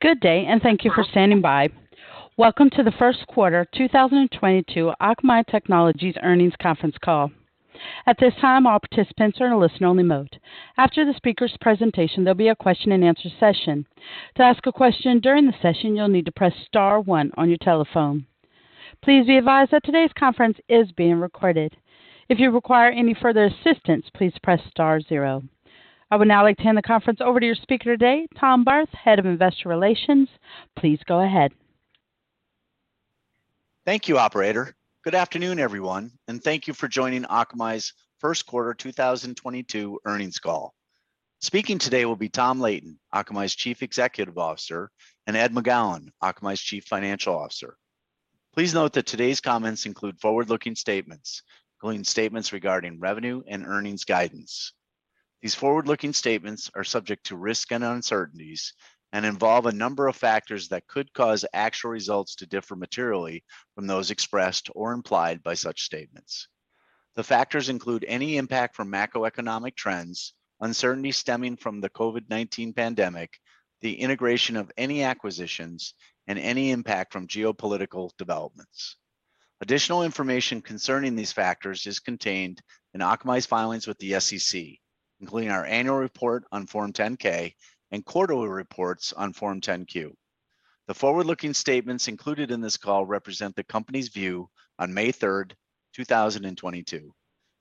Good day, and thank you for standing by. Welcome to the First Quarter 2022 Akamai Technologies earnings conference call. At this time, all participants are in a listen only mode. After the speaker's presentation, there'll be a question and answer session. To ask a question during the session, you'll need to press star one on your telephone. Please be advised that today's conference is being recorded. If you require any further assistance, please press star zero. I would now like to hand the conference over to your speaker today, Tom Barth, Head of Investor Relations. Please go ahead. Thank you, operator. Good afternoon, everyone, and thank you for joining Akamai's First Quarter 2022 earnings call. Speaking today will be Tom Leighton, Akamai's Chief Executive Officer, and Ed McGowan, Akamai's Chief Financial Officer. Please note that today's comments include forward-looking statements, including statements regarding revenue and earnings guidance. These forward-looking statements are subject to risks and uncertainties and involve a number of factors that could cause actual results to differ materially from those expressed or implied by such statements. The factors include any impact from macroeconomic trends, uncertainty stemming from the COVID-19 pandemic, the integration of any acquisitions, and any impact from geopolitical developments. Additional information concerning these factors is contained in Akamai's filings with the SEC, including our annual report on Form 10-K and quarterly reports on Form 10-Q. The forward-looking statements included in this call represent the company's view on May 3, 2022.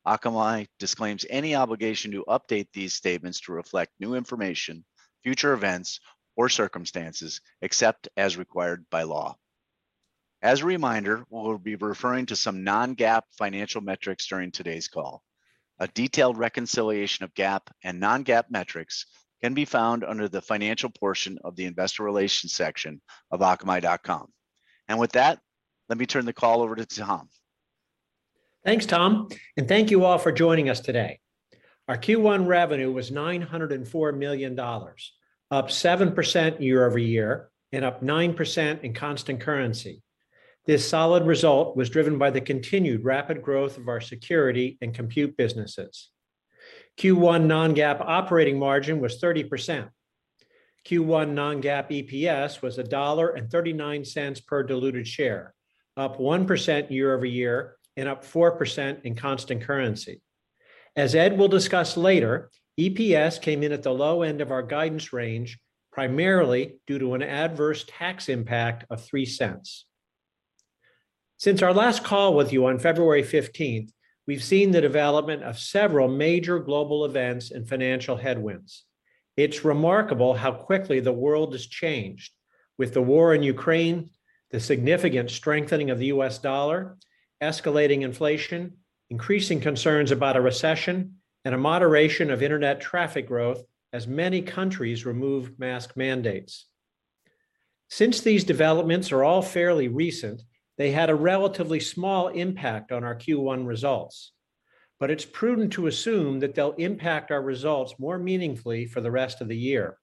Akamai disclaims any obligation to update these statements to reflect new information, future events, or circumstances except as required by law. As a reminder, we will be referring to some non-GAAP financial metrics during today's call. A detailed reconciliation of GAAP and non-GAAP metrics can be found under the financial portion of the Investor Relations section of akamai.com. With that, let me turn the call over to Tom. Thanks, Tom, and thank you all for joining us today. Our Q1 revenue was $904 million, up 7% year-over-year and up 9% in constant currency. This solid result was driven by the continued rapid growth of our security and compute businesses. Q1 non-GAAP operating margin was 30%. Q1 non-GAAP EPS was $1.39 per diluted share, up 1% year-over-year and up 4% in constant currency. As Ed will discuss later, EPS came in at the low end of our guidance range, primarily due to an adverse tax impact of $0.03. Since our last call with you on February 15, we've seen the development of several major global events and financial headwinds. It's remarkable how quickly the world has changed with the war in Ukraine, the significant strengthening of the US dollar, escalating inflation, increasing concerns about a recession, and a moderation of internet traffic growth as many countries remove mask mandates. Since these developments are all fairly recent, they had a relatively small impact on our Q1 results. It's prudent to assume that they'll impact our results more meaningfully for the rest of the year.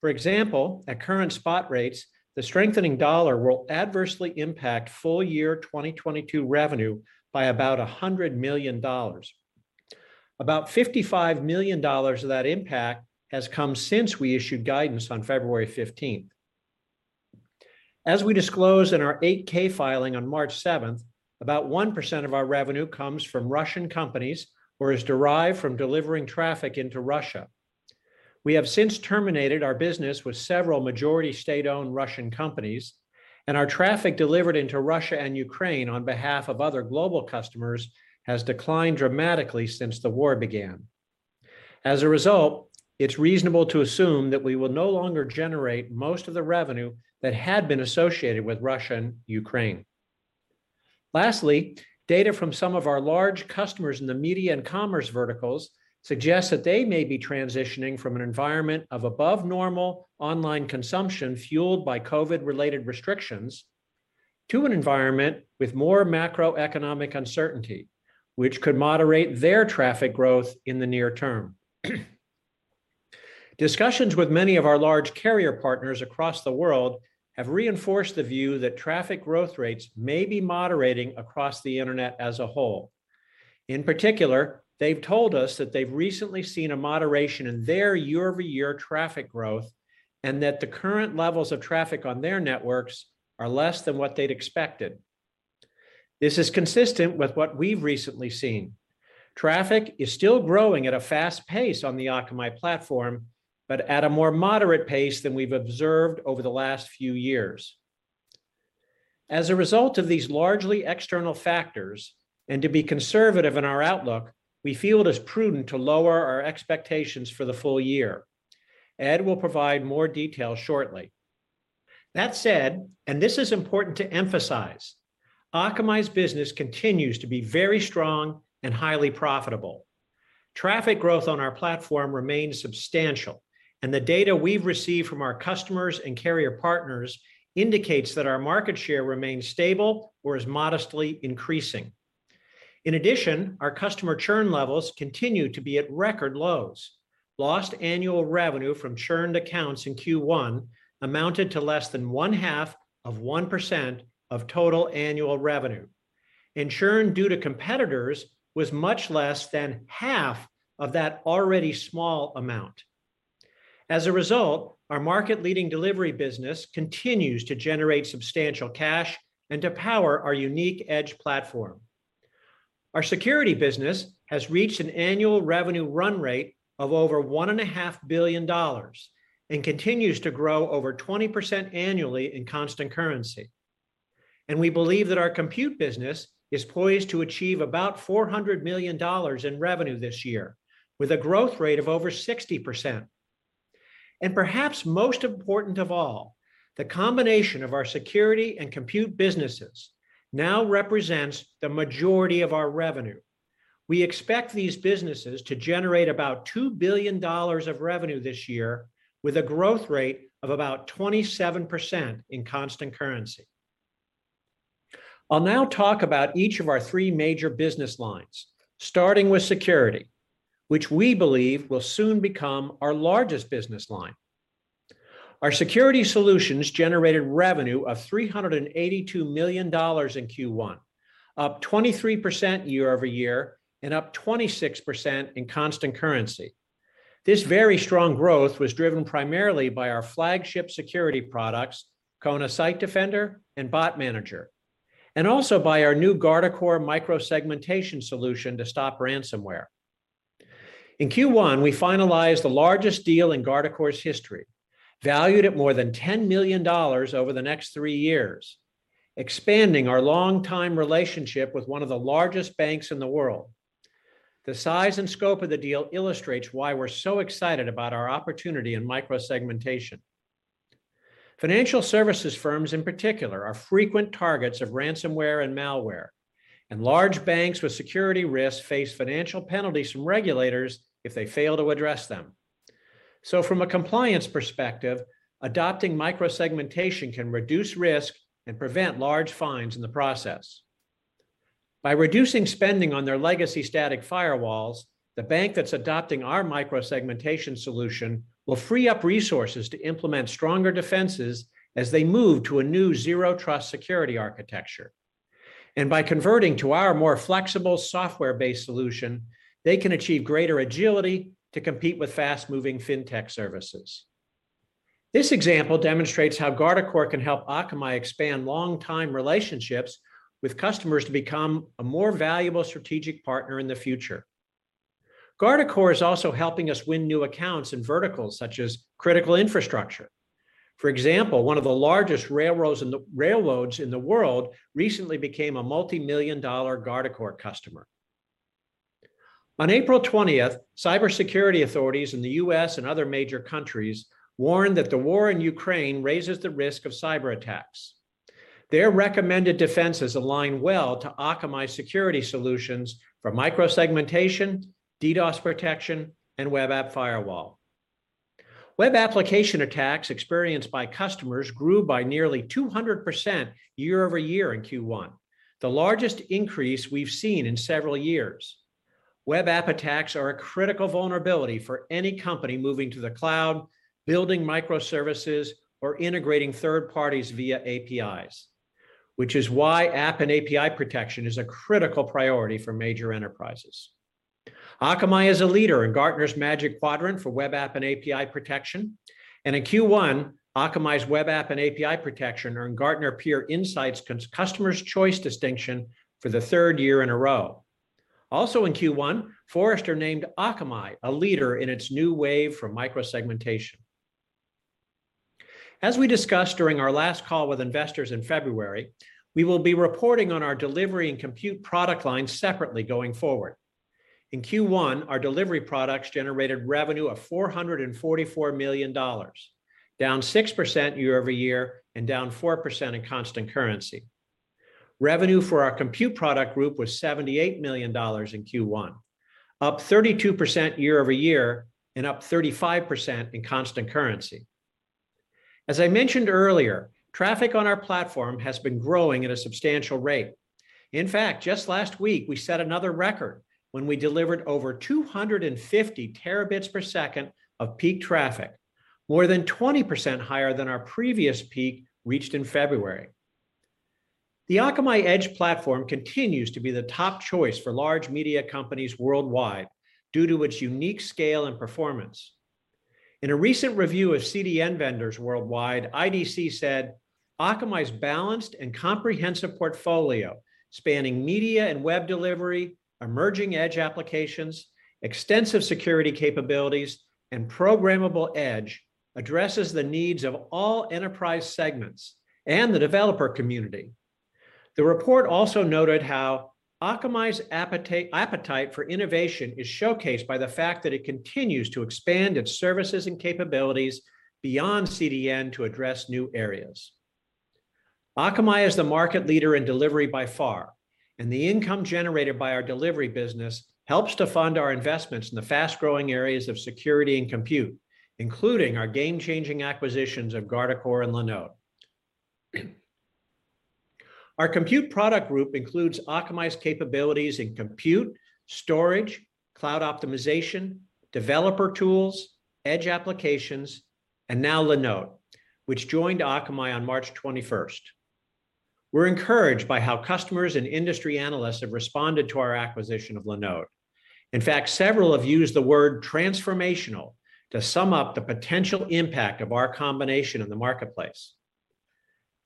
For example, at current spot rates, the strengthening dollar will adversely impact full year 2022 revenue by about $100 million. About $55 million of that impact has come since we issued guidance on February 15. As we disclosed in our 8-K filing on March 7, about 1% of our revenue comes from Russian companies or is derived from delivering traffic into Russia. We have since terminated our business with several majority state-owned Russian companies, and our traffic delivered into Russia and Ukraine on behalf of other global customers has declined dramatically since the war began. As a result, it's reasonable to assume that we will no longer generate most of the revenue that had been associated with Russia and Ukraine. Lastly, data from some of our large customers in the media and commerce verticals suggests that they may be transitioning from an environment of above normal online consumption fueled by COVID-related restrictions to an environment with more macroeconomic uncertainty, which could moderate their traffic growth in the near term. Discussions with many of our large carrier partners across the world have reinforced the view that traffic growth rates may be moderating across the Internet as a whole. In particular, they've told us that they've recently seen a moderation in their year-over-year traffic growth, and that the current levels of traffic on their networks are less than what they'd expected. This is consistent with what we've recently seen. Traffic is still growing at a fast pace on the Akamai platform, but at a more moderate pace than we've observed over the last few years. As a result of these largely external factors, and to be conservative in our outlook, we feel it is prudent to lower our expectations for the full year. Ed will provide more detail shortly. That said, and this is important to emphasize, Akamai's business continues to be very strong and highly profitable. Traffic growth on our platform remains substantial, and the data we've received from our customers and carrier partners indicates that our market share remains stable or is modestly increasing. In addition, our customer churn levels continue to be at record lows. Lost annual revenue from churned accounts in Q1 amounted to less than 0.5% of total annual revenue. Churn due to competitors was much less than half of that already small amount. As a result, our market-leading delivery business continues to generate substantial cash and to power our unique Edge platform. Our security business has reached an annual revenue run rate of over $1.5 billion and continues to grow over 20% annually in constant currency. We believe that our compute business is poised to achieve about $400 million in revenue this year, with a growth rate of over 60%. Perhaps most important of all, the combination of our security and compute businesses now represents the majority of our revenue. We expect these businesses to generate about $2 billion of revenue this year, with a growth rate of about 27% in constant currency. I'll now talk about each of our three major business lines, starting with security, which we believe will soon become our largest business line. Our security solutions generated revenue of $382 million in Q1, up 23% year-over-year and up 26% in constant currency. This very strong growth was driven primarily by our flagship security products, Kona Site Defender and Bot Manager, and also by our new Guardicore micro-segmentation solution to stop ransomware. In Q1, we finalized the largest deal in Guardicore's history, valued at more than $10 million over the next three years, expanding our longtime relationship with one of the largest banks in the world. The size and scope of the deal illustrates why we're so excited about our opportunity in micro-segmentation. Financial services firms in particular are frequent targets of ransomware and malware, and large banks with security risks face financial penalties from regulators if they fail to address them. From a compliance perspective, adopting micro-segmentation can reduce risk and prevent large fines in the process. By reducing spending on their legacy static firewalls, the bank that's adopting our micro-segmentation solution will free up resources to implement stronger defenses as they move to a new Zero Trust security architecture. By converting to our more flexible software-based solution, they can achieve greater agility to compete with fast-moving fintech services. This example demonstrates how Guardicore can help Akamai expand longtime relationships with customers to become a more valuable strategic partner in the future. Guardicore is also helping us win new accounts in verticals such as critical infrastructure. For example, one of the largest railroads in the world recently became a multi-million-dollar Guardicore customer. On April 20, cybersecurity authorities in the U.S. and other major countries warned that the war in Ukraine raises the risk of cyberattacks. Their recommended defenses align well to Akamai security solutions for micro-segmentation, DDoS protection, and web app firewall. Web application attacks experienced by customers grew by nearly 200% year-over-year in Q1, the largest increase we've seen in several years. Web app attacks are a critical vulnerability for any company moving to the cloud, building microservices, or integrating third parties via APIs, which is why app and API protection is a critical priority for major enterprises. Akamai is a leader in Gartner's Magic Quadrant for web app and API protection. In Q1, Akamai's web app and API protection earned Gartner Peer Insights' Customers' Choice distinction for the third year in a row. Also in Q1, Forrester named Akamai a leader in its new wave for micro-segmentation. As we discussed during our last call with investors in February, we will be reporting on our delivery and compute product lines separately going forward. In Q1, our delivery products generated revenue of $444 million, down 6% year-over-year and down 4% in constant currency. Revenue for our compute product group was $78 million in Q1, up 32% year-over-year and up 35% in constant currency. As I mentioned earlier, traffic on our platform has been growing at a substantial rate. In fact, just last week, we set another record when we delivered over 250 Tbps of peak traffic, more than 20% higher than our previous peak reached in February. The Akamai Edge platform continues to be the top choice for large media companies worldwide due to its unique scale and performance. In a recent review of CDN vendors worldwide, IDC said Akamai's balanced and comprehensive portfolio, spanning media and web delivery, emerging edge applications, extensive security capabilities, and programmable Edge addresses the needs of all enterprise segments and the developer community. The report also noted how Akamai's appetite for innovation is showcased by the fact that it continues to expand its services and capabilities beyond CDN to address new areas. Akamai is the market leader in delivery by far, and the income generated by our delivery business helps to fund our investments in the fast-growing areas of security and compute, including our game-changing acquisitions of Guardicore and Linode. Our compute product group includes Akamai's capabilities in compute, storage, cloud optimization, developer tools, Edge applications. Now Linode, which joined Akamai on March 21st. We're encouraged by how customers and industry analysts have responded to our acquisition of Linode. In fact, several have used the word transformational to sum up the potential impact of our combination in the marketplace.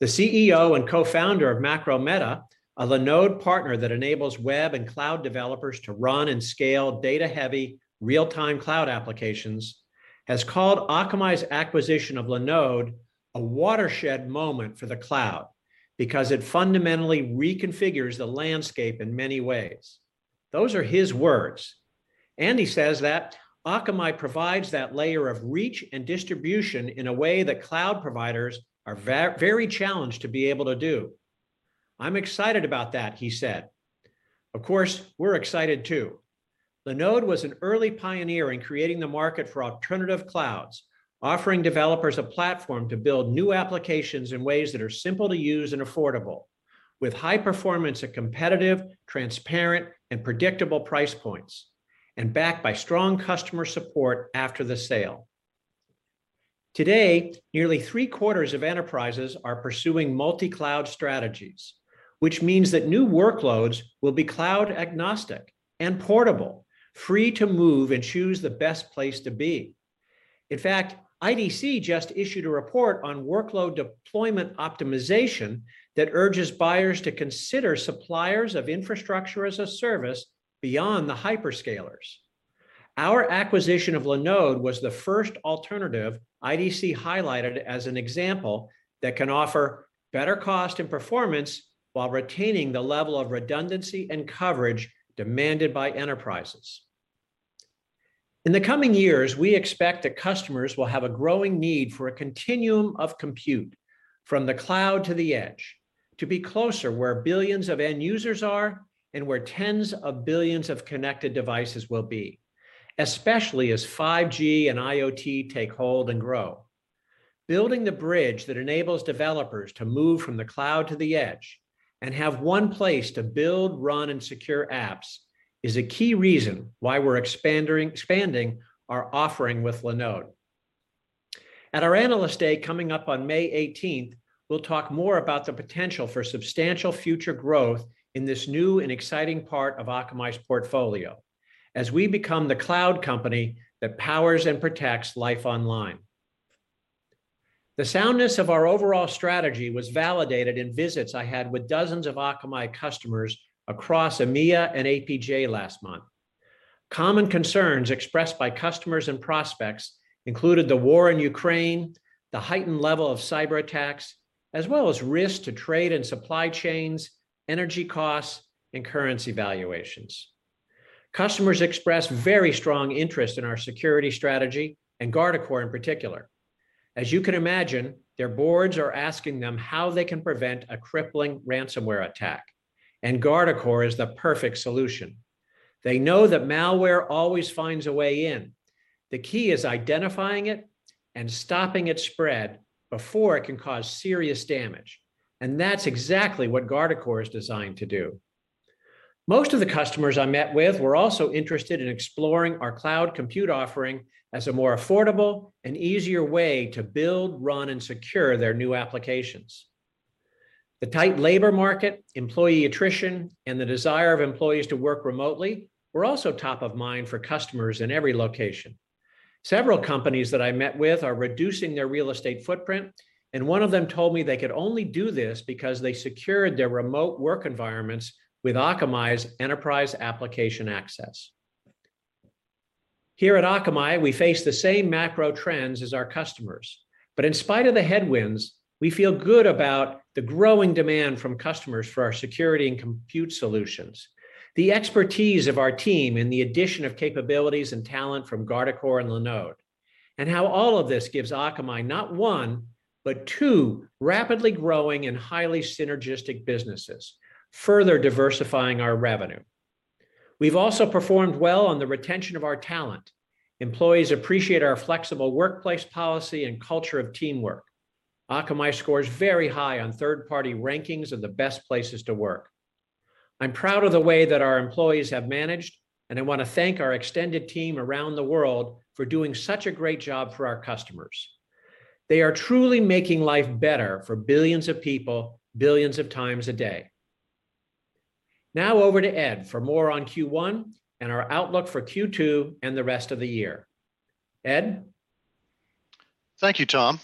The CEO and Co-founder of Macrometa, a Linode partner that enables web and cloud developers to run and scale data-heavy real-time cloud applications, has called Akamai's acquisition of Linode a watershed moment for the cloud because it fundamentally reconfigures the landscape in many ways. Those are his words. He says that Akamai provides that layer of reach and distribution in a way that cloud providers are very challenged to be able to do. "I'm excited about that," he said. Of course, we're excited, too. Linode was an early pioneer in creating the market for alternative clouds, offering developers a platform to build new applications in ways that are simple to use and affordable, with high performance at competitive, transparent, and predictable price points, and backed by strong customer support after the sale. Today, nearly three-quarters of enterprises are pursuing multi-cloud strategies, which means that new workloads will be cloud agnostic and portable, free to move and choose the best place to be. In fact, IDC just issued a report on workload deployment optimization that urges buyers to consider suppliers of infrastructure as a service beyond the hyperscalers. Our acquisition of Linode was the first alternative IDC highlighted as an example that can offer better cost and performance while retaining the level of redundancy and coverage demanded by enterprises. In the coming years, we expect that customers will have a growing need for a continuum of compute from the cloud to the Edge to be closer where billions of end users are and where tens of billions of connected devices will be, especially as 5G and IoT take hold and grow. Building the bridge that enables developers to move from the cloud to the edge and have one place to build, run, and secure apps is a key reason why we're expanding our offering with Linode. At our Analyst Day coming up on May 18th, we'll talk more about the potential for substantial future growth in this new and exciting part of Akamai's portfolio as we become the cloud company that powers and protects life online. The soundness of our overall strategy was validated in visits I had with dozens of Akamai customers across EMEA and APJ last month. Common concerns expressed by customers and prospects included the war in Ukraine, the heightened level of cyberattacks, as well as risks to trade and supply chains, energy costs, and currency valuations. Customers expressed very strong interest in our security strategy and Guardicore in particular. As you can imagine, their boards are asking them how they can prevent a crippling ransomware attack, and Guardicore is the perfect solution. They know that malware always finds a way in. The key is identifying it and stopping its spread before it can cause serious damage. That's exactly what Guardicore is designed to do. Most of the customers I met with were also interested in exploring our cloud compute offering as a more affordable and easier way to build, run, and secure their new applications. The tight labor market, employee attrition, and the desire of employees to work remotely were also top of mind for customers in every location. Several companies that I met with are reducing their real estate footprint, and one of them told me they could only do this because they secured their remote work environments with Akamai's Enterprise Application Access. Here at Akamai, we face the same macro trends as our customers. In spite of the headwinds, we feel good about the growing demand from customers for our security and compute solutions, the expertise of our team in the addition of capabilities and talent from Guardicore and Linode, and how all of this gives Akamai not one but two rapidly growing and highly synergistic businesses, further diversifying our revenue. We've also performed well on the retention of our talent. Employees appreciate our flexible workplace policy and culture of teamwork. Akamai scores very high on third-party rankings of the best places to work. I'm proud of the way that our employees have managed, and I want to thank our extended team around the world for doing such a great job for our customers. They are truly making life better for billions of people, billions of times a day. Now over to Ed for more on Q1 and our outlook for Q2 and the rest of the year. Ed? Thank you, Tom.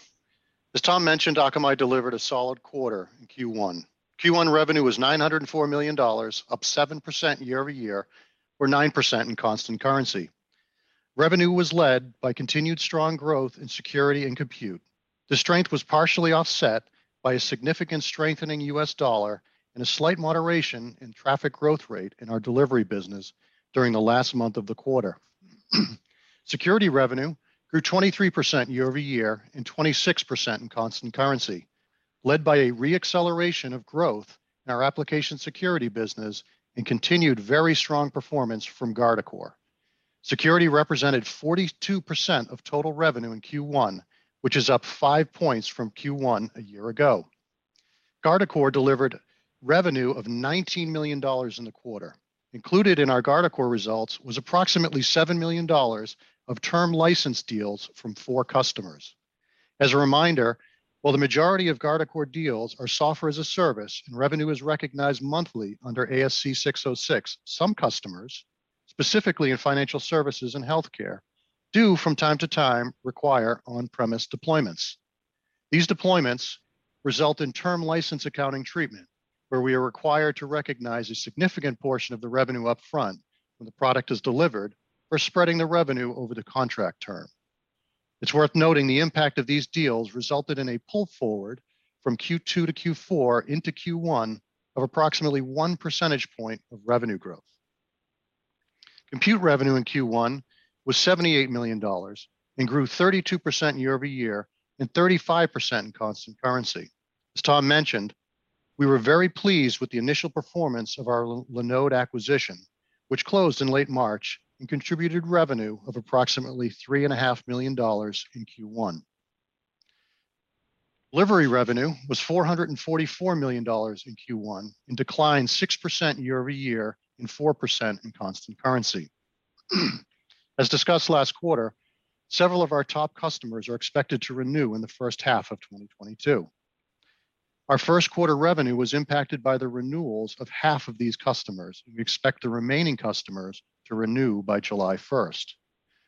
As Tom mentioned, Akamai delivered a solid quarter in Q1. Q1 revenue was $904 million, up 7% year-over-year or 9% in constant currency. Revenue was led by continued strong growth in security and compute. The strength was partially offset by a significant strengthening US dollar and a slight moderation in traffic growth rate in our delivery business during the last month of the quarter. Security revenue grew 23% year-over-year and 26% in constant currency, led by a re-acceleration of growth in our application security business and continued very strong performance from Guardicore. Security represented 42% of total revenue in Q1, which is up five points from Q1 a year ago. Guardicore delivered revenue of $19 million in the quarter. Included in our Guardicore results was approximately $7 million of term license deals from four customers. As a reminder, while the majority of Guardicore deals are software-as-a-service and revenue is recognized monthly under ASC, some customers, specifically in financial services and healthcare, do from time-to-time require on-premise deployments. These deployments result in term license accounting treatment, where we are required to recognize a significant portion of the revenue up front when the product is delivered, for spreading the revenue over the contract term. It's worth noting the impact of these deals resulted in a pull forward from Q2-Q4 into Q1 of approximately one percentage point of revenue growth. Compute revenue in Q1 was $78 million and grew 32% year-over-year and 35% in constant currency. As Tom mentioned, we were very pleased with the initial performance of our Linode acquisition, which closed in late March and contributed revenue of approximately $3.5 million in Q1. Delivery revenue was $444 million in Q1 and declined 6% year-over-year and 4% in constant currency. As discussed last quarter, several of our top customers are expected to renew in the first half of 2022. Our first quarter revenue was impacted by the renewals of half of these customers. We expect the remaining customers to renew by July first.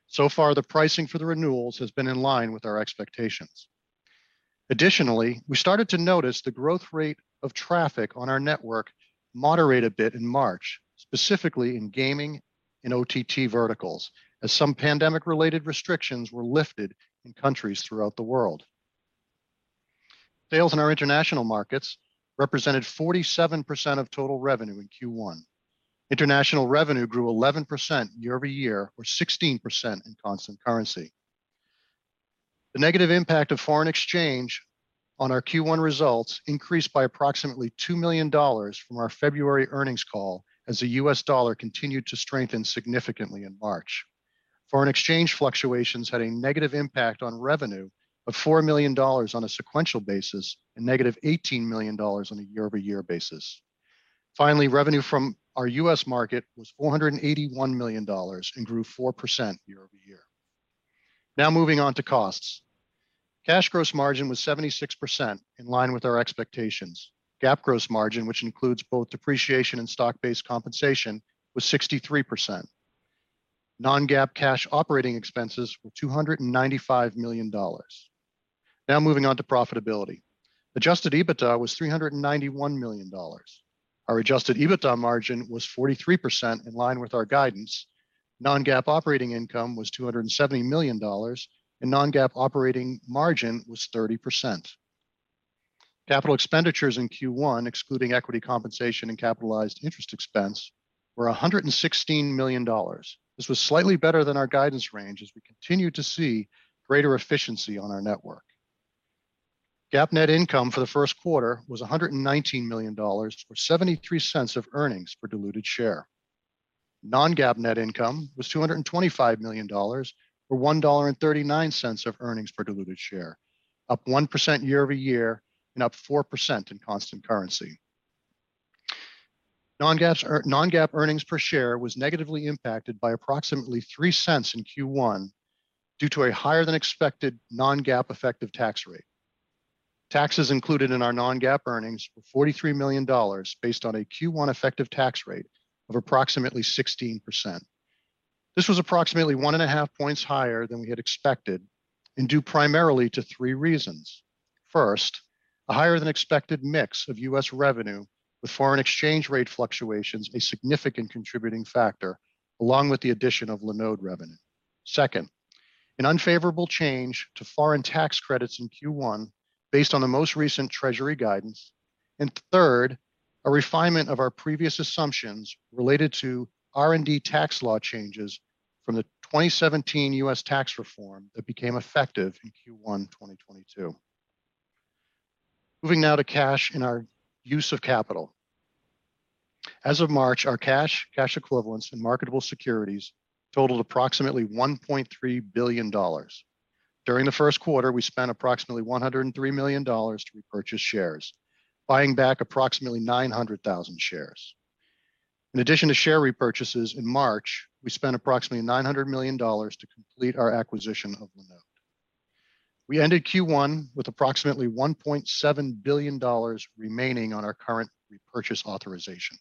So far, the pricing for the renewals has been in line with our expectations. Additionally, we started to notice the growth rate of traffic on our network moderate a bit in March, specifically in gaming and OTT verticals, as some pandemic-related restrictions were lifted in countries throughout the world. Sales in our international markets represented 47% of total revenue in Q1. International revenue grew 11% year-over-year, or 16% in constant currency. The negative impact of foreign exchange on our Q1 results increased by approximately $2 million from our February earnings call as the US dollar continued to strengthen significantly in March. Foreign exchange fluctuations had a negative impact on revenue of $4 million on a sequential basis and $-18 million on a year-over-year basis. Revenue from our US market was $481 million and grew 4% year-over-year. Now moving on to costs. Cash gross margin was 76% in line with our expectations. GAAP gross margin, which includes both depreciation and stock-based compensation, was 63%. Non-GAAP cash operating expenses were $295 million. Now moving on to profitability. Adjusted EBITDA was $391 million. Our Adjusted EBITDA Margin was 43% in line with our guidance. Non-GAAP operating income was $270 million, and non-GAAP operating margin was 30%. Capital expenditures in Q1, excluding equity compensation and capitalized interest expense, were $116 million. This was slightly better than our guidance range as we continue to see greater efficiency on our network. GAAP net income for the first quarter was $119 million, or $0.73 of earnings per diluted share. Non-GAAP net income was $225 million, or $1.39 of earnings per diluted share, up 1% year-over-year and up 4% in constant currency. Non-GAAP earnings per share was negatively impacted by approximately $0.03 in Q1 due to a higher-than-expected non-GAAP effective tax rate. Taxes included in our non-GAAP earnings were $43 million based on a Q1 effective tax rate of approximately 16%. This was approximately 1.5 points higher than we had expected and due primarily to three reasons. First, a higher-than-expected mix of U.S. revenue with foreign exchange rate fluctuations, a significant contributing factor, along with the addition of Linode revenue. Second, an unfavorable change to foreign tax credits in Q1 based on the most recent Treasury guidance. Third, a refinement of our previous assumptions related to R&D tax law changes from the 2017 U.S. tax reform that became effective in Q1 2022. Moving now to cash and our use of capital. As of March, our cash equivalents, and marketable securities totaled approximately $1.3 billion. During the first quarter, we spent approximately $103 million to repurchase shares, buying back approximately 900,000 shares. In addition to share repurchases, in March, we spent approximately $900 million to complete our acquisition of Linode. We ended Q1 with approximately $1.7 billion remaining on our current repurchase authorization.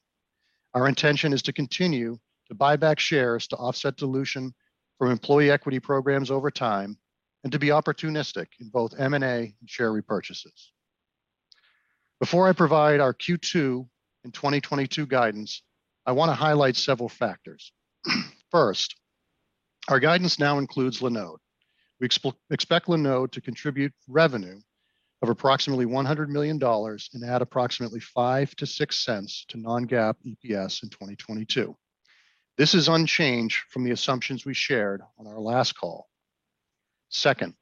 Our intention is to continue to buy back shares to offset dilution from employee equity programs over time and to be opportunistic in both M&A and share repurchases. Before I provide our Q2 and 2022 guidance, I want to highlight several factors. First, our guidance now includes Linode. We expect Linode to contribute revenue of approximately $100 million and add approximately $0.05-$0.06 to non-GAAP EPS in 2022. This is unchanged from the assumptions we shared on our last call. Second,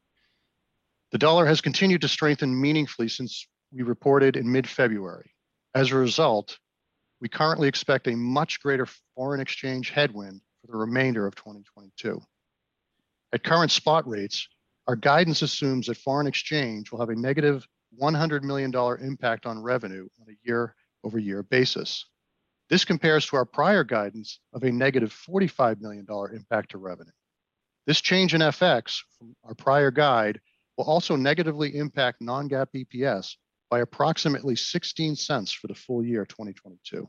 the dollar has continued to strengthen meaningfully since we reported in mid-February. As a result, we currently expect a much greater foreign exchange headwind for the remainder of 2022. At current spot rates, our guidance assumes that foreign exchange will have a $-100 million impact on revenue on a year-over-year basis. This compares to our prior guidance of a $-45 million impact to revenue. This change in FX from our prior guide will also negatively impact non-GAAP EPS by approximately $0.16 for the full year 2022.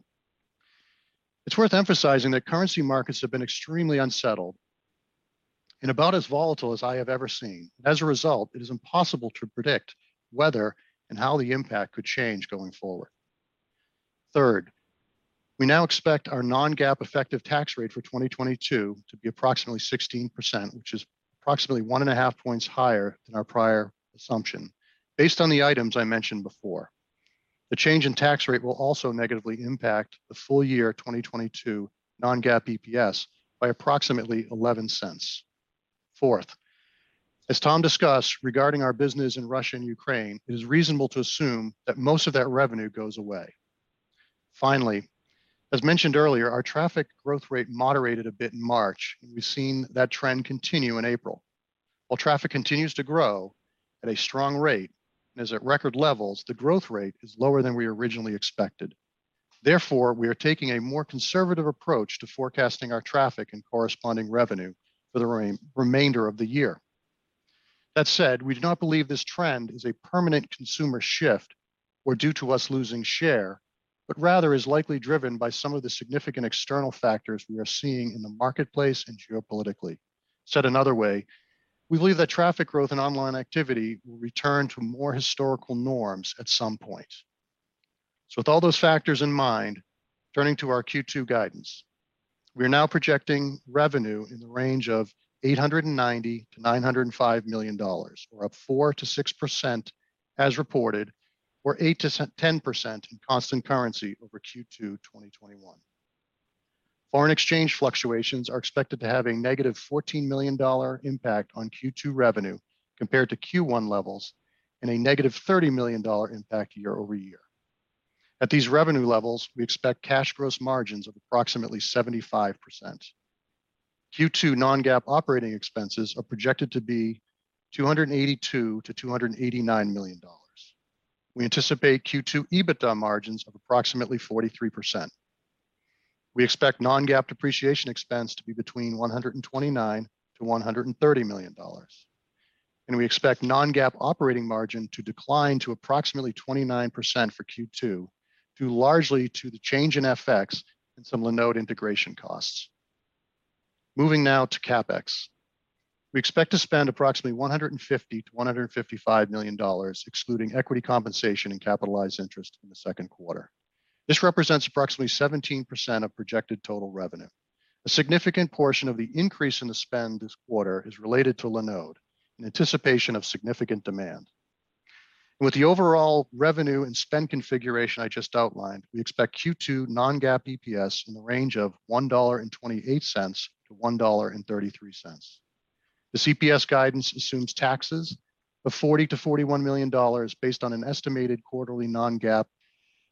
It's worth emphasizing that currency markets have been extremely unsettled and about as volatile as I have ever seen. As a result, it is impossible to predict whether and how the impact could change going forward. Third, we now expect our non-GAAP effective tax rate for 2022 to be approximately 16%, which is approximately 1.5 points higher than our prior assumption based on the items I mentioned before. The change in tax rate will also negatively impact the full year 2022 non-GAAP EPS by approximately $0.11. Fourth, as Tom discussed regarding our business in Russia and Ukraine, it is reasonable to assume that most of that revenue goes away. Finally, as mentioned earlier, our traffic growth rate moderated a bit in March, and we've seen that trend continue in April. While traffic continues to grow at a strong rate and is at record levels, the growth rate is lower than we originally expected. Therefore, we are taking a more conservative approach to forecasting our traffic and corresponding revenue for the remainder of the year. That said, we do not believe this trend is a permanent consumer shift or due to us losing share, but rather is likely driven by some of the significant external factors we are seeing in the marketplace and geopolitically. Said another way, we believe that traffic growth and online activity will return to more historical norms at some point. With all those factors in mind, turning to our Q2 guidance, we are now projecting revenue in the range of $890 million-$905 million, or up 4%-6% as reported, or 8%-10% in constant currency over Q2 2021. Foreign exchange fluctuations are expected to have a $-14 million impact on Q2 revenue compared to Q1 levels and a $-30 million impact year-over-year. At these revenue levels, we expect cash gross margins of approximately 75%. Q2 non-GAAP operating expenses are projected to be $282 million-$289 million. We anticipate Q2 EBITDA margins of approximately 43%. We expect non-GAAP depreciation expense to be between $129 million-$130 million. We expect non-GAAP operating margin to decline to approximately 29% for Q2 due largely to the change in FX and some Linode integration costs. Moving now to CapEx. We expect to spend approximately $150 million-$155 million excluding equity compensation and capitalized interest in the second quarter. This represents approximately 17% of projected total revenue. A significant portion of the increase in the spend this quarter is related to Linode in anticipation of significant demand. With the overall revenue and spend configuration I just outlined, we expect Q2 non-GAAP EPS in the range of $1.28-$1.33. The EPS guidance assumes taxes of $40-$41 million based on an estimated quarterly non-GAAP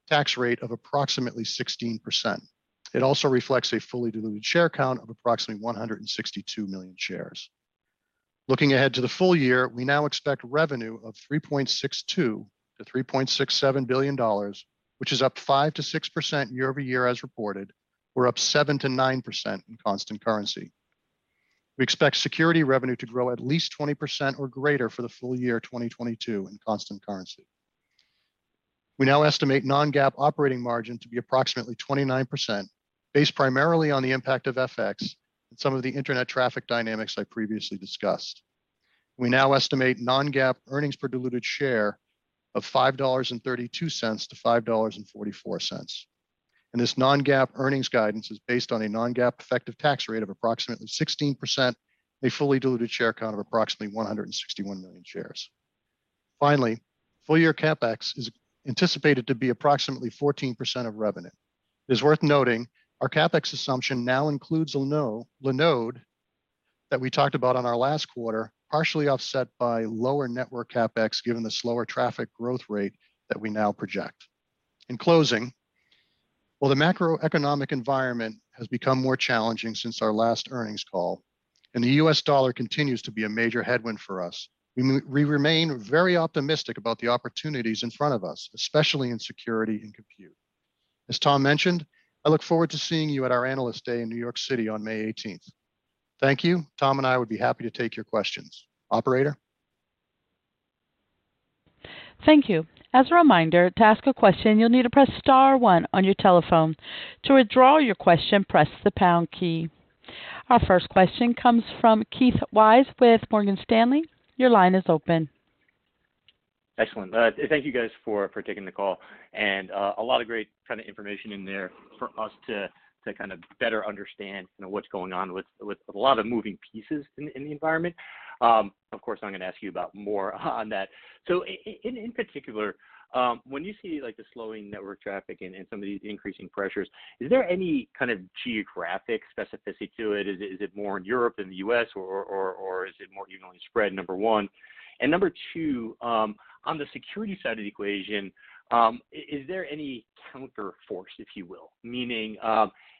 tax rate of approximately 16%. It also reflects a fully diluted share count of approximately 162 million shares. Looking ahead to the full year, we now expect revenue of $3.62-$3.67 billion, which is up 5%-6% year-over-year as reported. We're up 7%-9% in constant currency. We expect security revenue to grow at least 20% or greater for the full year 2022 in constant currency. We now estimate non-GAAP operating margin to be approximately 29% based primarily on the impact of FX and some of the internet traffic dynamics I previously discussed. We now estimate non-GAAP earnings per diluted share of $5.32-$5.44. This non-GAAP earnings guidance is based on a non-GAAP effective tax rate of approximately 16%, a fully diluted share count of approximately 161 million shares. Finally, full year CapEx is anticipated to be approximately 14% of revenue. It is worth noting our CapEx assumption now includes Linode that we talked about on our last quarter, partially offset by lower network CapEx given the slower traffic growth rate that we now project. In closing, while the macroeconomic environment has become more challenging since our last earnings call and the US dollar continues to be a major headwind for us, we remain very optimistic about the opportunities in front of us, especially in security and compute. As Tom mentioned, I look forward to seeing you at our Analyst Day in New York City on May 18. Thank you. Tom and I would be happy to take your questions. Operator? Thank you. As a reminder, to ask a question, you'll need to press star one on your telephone. To withdraw your question, press the pound key. Our first question comes from Keith Weiss with Morgan Stanley. Your line is open. Excellent. Thank you guys for taking the call and a lot of great kind of information in there for us to kind of better understand, you know, what's going on with a lot of moving pieces in the environment. Of course, I'm gonna ask you about more on that. In particular, when you see like the slowing network traffic and some of these increasing pressures, is there any kind of geographic specificity to it? Is it more in Europe than the US or is it more evenly spread, number one? Number two, on the security side of the equation, is there any counterforce, if you will? Meaning,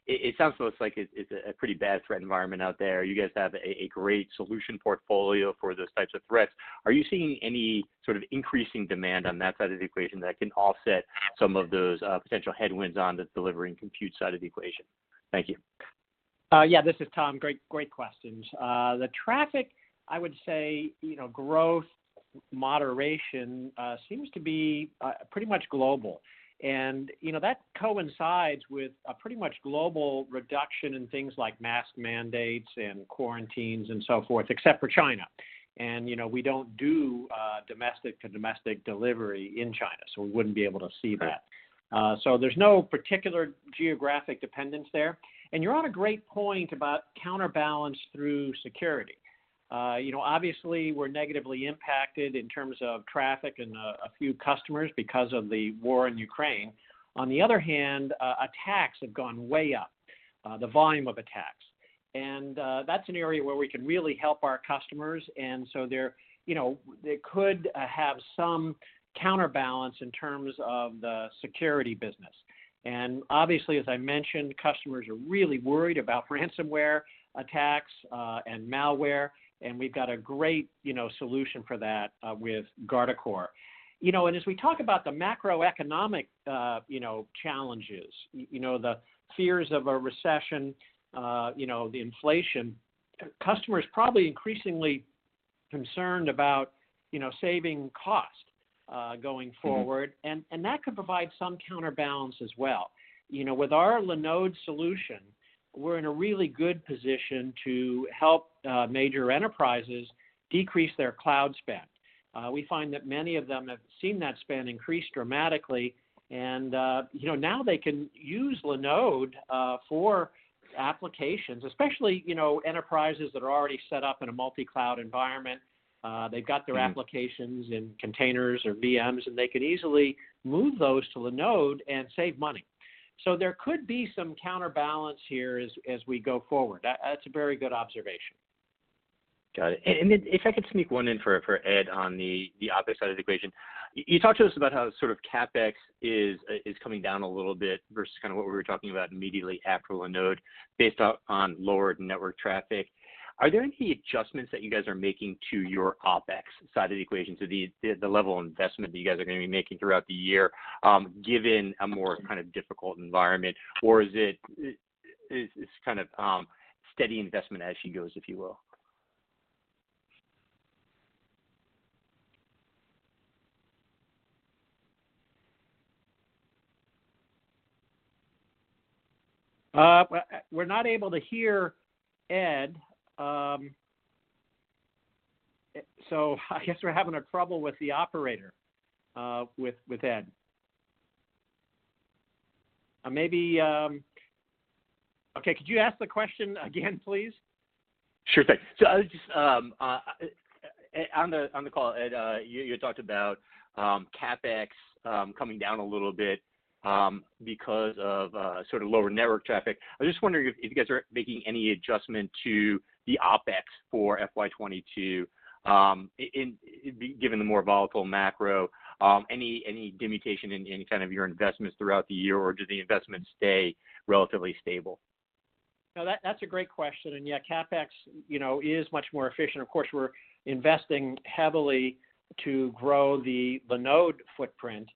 it sounds to us like it's a pretty bad threat environment out there. You guys have a great solution portfolio for those types of threats. Are you seeing any sort of increasing demand on that side of the equation that can offset some of those potential headwinds on the delivery and compute side of the equation? Thank you. Yeah, this is Tom. Great questions. The traffic, I would say, you know, growth moderation seems to be pretty much global. You know, that coincides with a pretty much global reduction in things like mask mandates and quarantines and so forth, except for China. You know, we don't do domestic to domestic delivery in China, so we wouldn't be able to see that. Right. There's no particular geographic dependence there. You're on a great point about counterbalance through security. You know, obviously we're negatively impacted in terms of traffic and a few customers because of the war in Ukraine. On the other hand, attacks have gone way up, the volume of attacks. That's an area where we can really help our customers, and so there. You know, it could have some counterbalance in terms of the security business. Obviously, as I mentioned, customers are really worried about ransomware attacks and malware, and we've got a great, you know, solution for that with Guardicore. You know, as we talk about the macroeconomic, you know, challenges, you know, the fears of a recession, you know, the inflation, customers probably increasingly concerned about, you know, saving cost going forward. Mm-hmm. That could provide some counterbalance as well. You know, with our Linode solution, we're in a really good position to help major enterprises decrease their cloud spend. We find that many of them have seen that spend increase dramatically, and you know, now they can use Linode for applications, especially you know, enterprises that are already set up in a multi-cloud environment. They've got their applications- Mm-hmm In containers or VMs, and they could easily move those to Linode and save money. There could be some counterbalance here as we go forward. That's a very good observation. Got it. If I could sneak one in for Ed on the opposite side of the equation. You talked to us about how sort of CapEx is coming down a little bit versus kind of what we were talking about immediately after Linode based on lowered network traffic. Are there any adjustments that you guys are making to your OpEx side of the equation to the level of investment that you guys are gonna be making throughout the year, given a more kind of difficult environment? Or is it this kind of steady investment as she goes, if you will? We're not able to hear Ed, so I guess we're having trouble with the operator, with Ed. Or maybe. Okay, could you ask the question again, please? Sure thing. I was just on the call, Ed, you talked about CapEx coming down a little bit because of sort of lower network traffic. I'm just wondering if you guys are making any adjustment to the OpEx for FY2022 in, given the more volatile macro, any diminution in any kind of your investments throughout the year or do the investments stay relatively stable? No, that's a great question. Yeah, CapEx, you know, is much more efficient. Of course, we're investing heavily to grow the Linode footprint.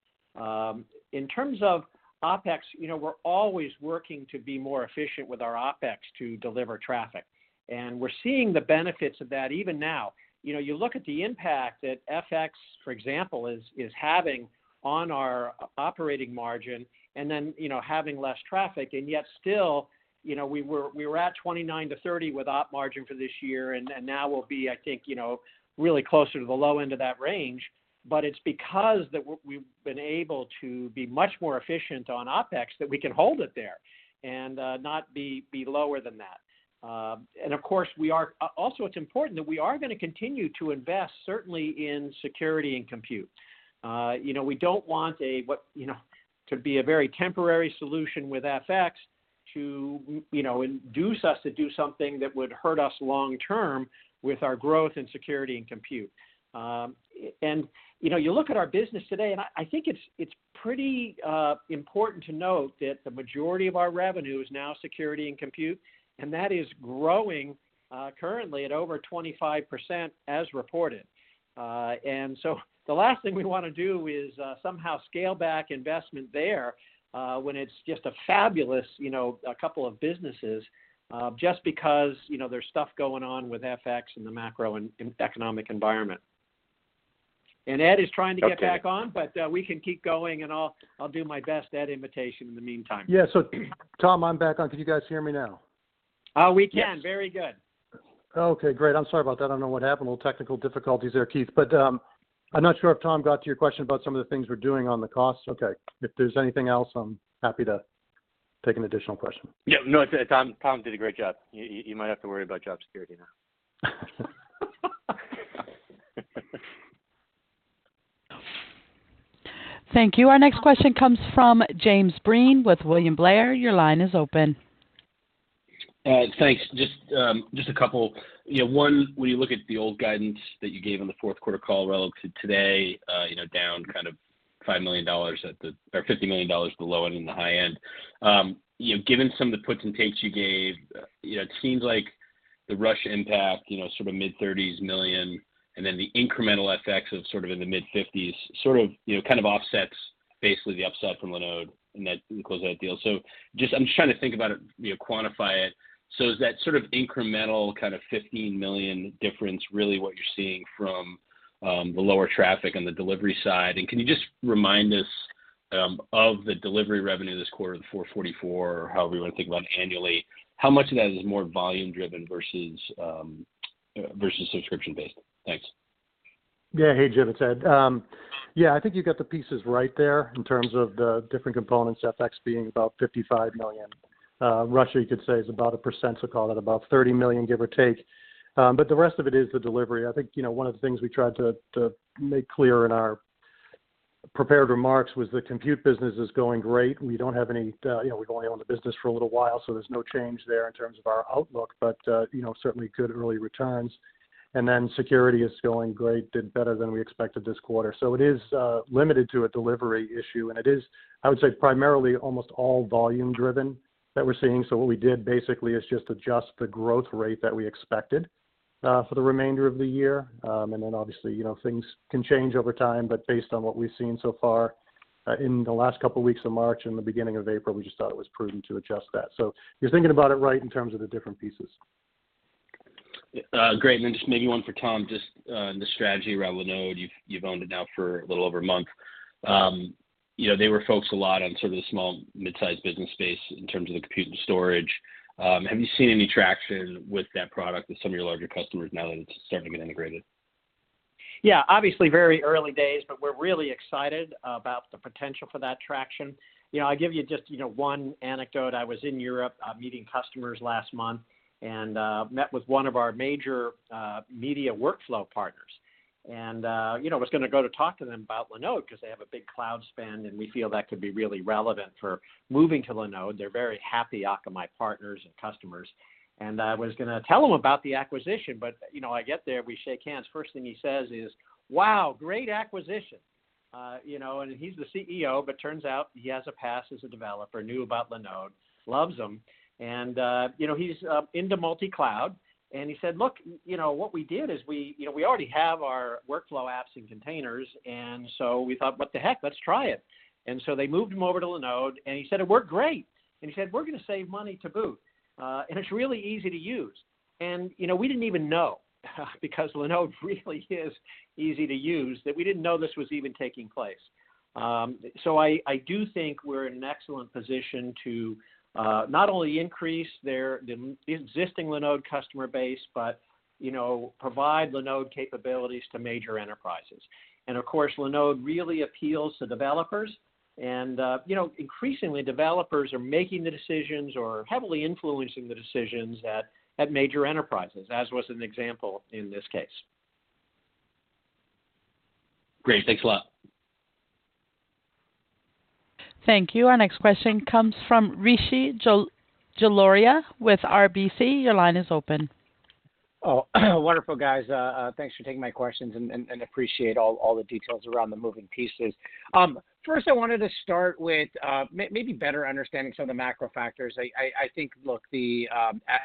In terms of OpEx, you know, we're always working to be more efficient with our OpEx to deliver traffic, and we're seeing the benefits of that even now. You know, you look at the impact that FX, for example, is having on our operating margin and then, you know, having less traffic, and yet still, you know, we were at 29%-30% operating margin for this year, and now we'll be, I think, you know, really closer to the low end of that range. It's because that we've been able to be much more efficient on OpEx that we can hold it there and not be lower than that. Of course, it's important that we are gonna continue to invest certainly in security and compute. You know, we don't want what, you know, to be a very temporary solution with FX to, you know, induce us to do something that would hurt us long term with our growth in security and compute. And, you know, you look at our business today, and I think it's pretty important to note that the majority of our revenue is now security and compute, and that is growing currently at over 25% as reported. So the last thing we wanna do is somehow scale back investment there when it's just a fabulous couple of businesses just because, you know, there's stuff going on with FX and the macro and economic environment. Ed is trying to get back on. Okay. We can keep going, and I'll do my best Ed imitation in the meantime. Yeah. Tom, I'm back on. Can you guys hear me now? We can. Yes. Very good. Okay, great. I'm sorry about that. I don't know what happened. A little technical difficulties there, Keith. I'm not sure if Tom got to your question about some of the things we're doing on the costs. Okay. If there's anything else, I'm happy to take an additional question. Yeah. No, Tom did a great job. You might have to worry about job security now. Thank you. Our next question comes from James Breen with William Blair. Your line is open. Thanks. Just a couple. You know, one, when you look at the old guidance that you gave on the fourth quarter call relative to today, you know, down kind of $5 million or $50 million below it in the high end. You know, given some of the puts and takes you gave, you know, it seems like the Russia impact, you know, sort of mid-30s million, and then the incremental FX of sort of in the mid-50s, sort of, you know, kind of offsets basically the upside from Linode and that closes that deal. I'm just trying to think about it, you know, quantify it. Is that sort of incremental kind of $15 million difference really what you're seeing from the lower traffic on the delivery side? Can you just remind us of the delivery revenue this quarter, the $444, however you wanna think about it annually, how much of that is more volume driven versus subscription-based? Thanks. Yeah. Hey, James, it's Ed. Yeah, I think you got the pieces right there in terms of the different components, FX being about $55 million. Russia you could say is about 1%, so call it about $30 million, give or take. The rest of it is the delivery. I think, you know, one of the things we tried to make clear in our prepared remarks was the compute business is going great. We don't have any, you know, we've only owned the business for a little while, so there's no change there in terms of our outlook. You know, certainly good early returns. Then security is going great, did better than we expected this quarter. It is limited to a delivery issue, and it is, I would say, primarily almost all volume driven that we're seeing. What we did basically is just adjust the growth rate that we expected for the remainder of the year. Obviously, you know, things can change over time, but based on what we've seen so far in the last couple weeks of March and the beginning of April, we just thought it was prudent to adjust that. You're thinking about it right in terms of the different pieces. Yeah. Great. Just maybe one for Tom, the strategy around Linode. You've owned it now for a little over a month. You know, they were focused a lot on sort of the small mid-sized business space in terms of the compute and storage. Have you seen any traction with that product with some of your larger customers now that it's starting to get integrated? Yeah. Obviously very early days, but we're really excited about the potential for that traction. You know, I'll give you just, you know, one anecdote. I was in Europe, meeting customers last month and met with one of our major media workflow partners and, you know, was gonna go to talk to them about Linode 'cause they have a big cloud spend, and we feel that could be really relevant for moving to Linode. They're very happy Akamai partners and customers. I was gonna tell him about the acquisition, but, you know, I get there, we shake hands, first thing he says is, "Wow, great acquisition." You know, he's the CEO, but turns out he has a past as a developer, knew about Linode, loves them. You know, he's into multi-cloud. He said, "Look, you know, what we did is you know, we already have our workflow apps in containers, and so we thought, what the heck? Let's try it." They moved him over to Linode, and he said, "It worked great." He said, "We're gonna save money to boot, and it's really easy to use." You know, we didn't even know, because Linode really is easy to use, that we didn't know this was even taking place. I do think we're in an excellent position to not only increase the existing Linode customer base, but you know, provide Linode capabilities to major enterprises. Of course, Linode really appeals to developers and you know, increasingly developers are making the decisions or heavily influencing the decisions at major enterprises, as was an example in this case. Great. Thanks a lot. Thank you. Our next question comes from Rishi Jaluria with RBC. Your line is open. Oh, wonderful, guys. Thanks for taking my questions and appreciate all the details around the moving pieces. First I wanted to start with maybe better understanding some of the macro factors. I think, look, the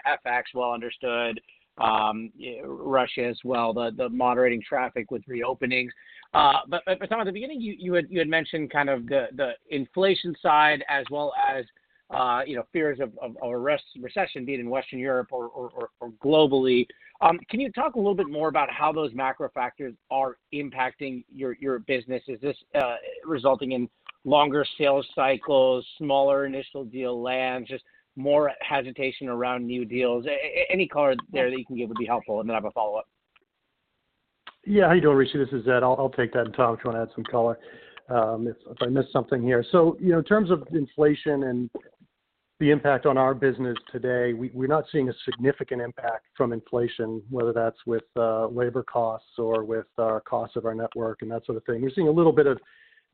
FX well understood, Russia as well, the moderating traffic with reopenings. Tom, at the beginning you had mentioned kind of the inflation side as well as you know fears of a recession be it in Western Europe or globally. Can you talk a little bit more about how those macro factors are impacting your business? Is this resulting in longer sales cycles, smaller initial deal lands, just more hesitation around new deals? Any color there that you can give would be helpful. Then I have a follow-up. Yeah. How you doing, Rishi? This is Ed. I'll take that, and Tom might wanna add some color, if I missed something here. You know, in terms of inflation and the impact on our business today, we're not seeing a significant impact from inflation, whether that's with labor costs or with costs of our network and that sort of thing. We're seeing a little bit of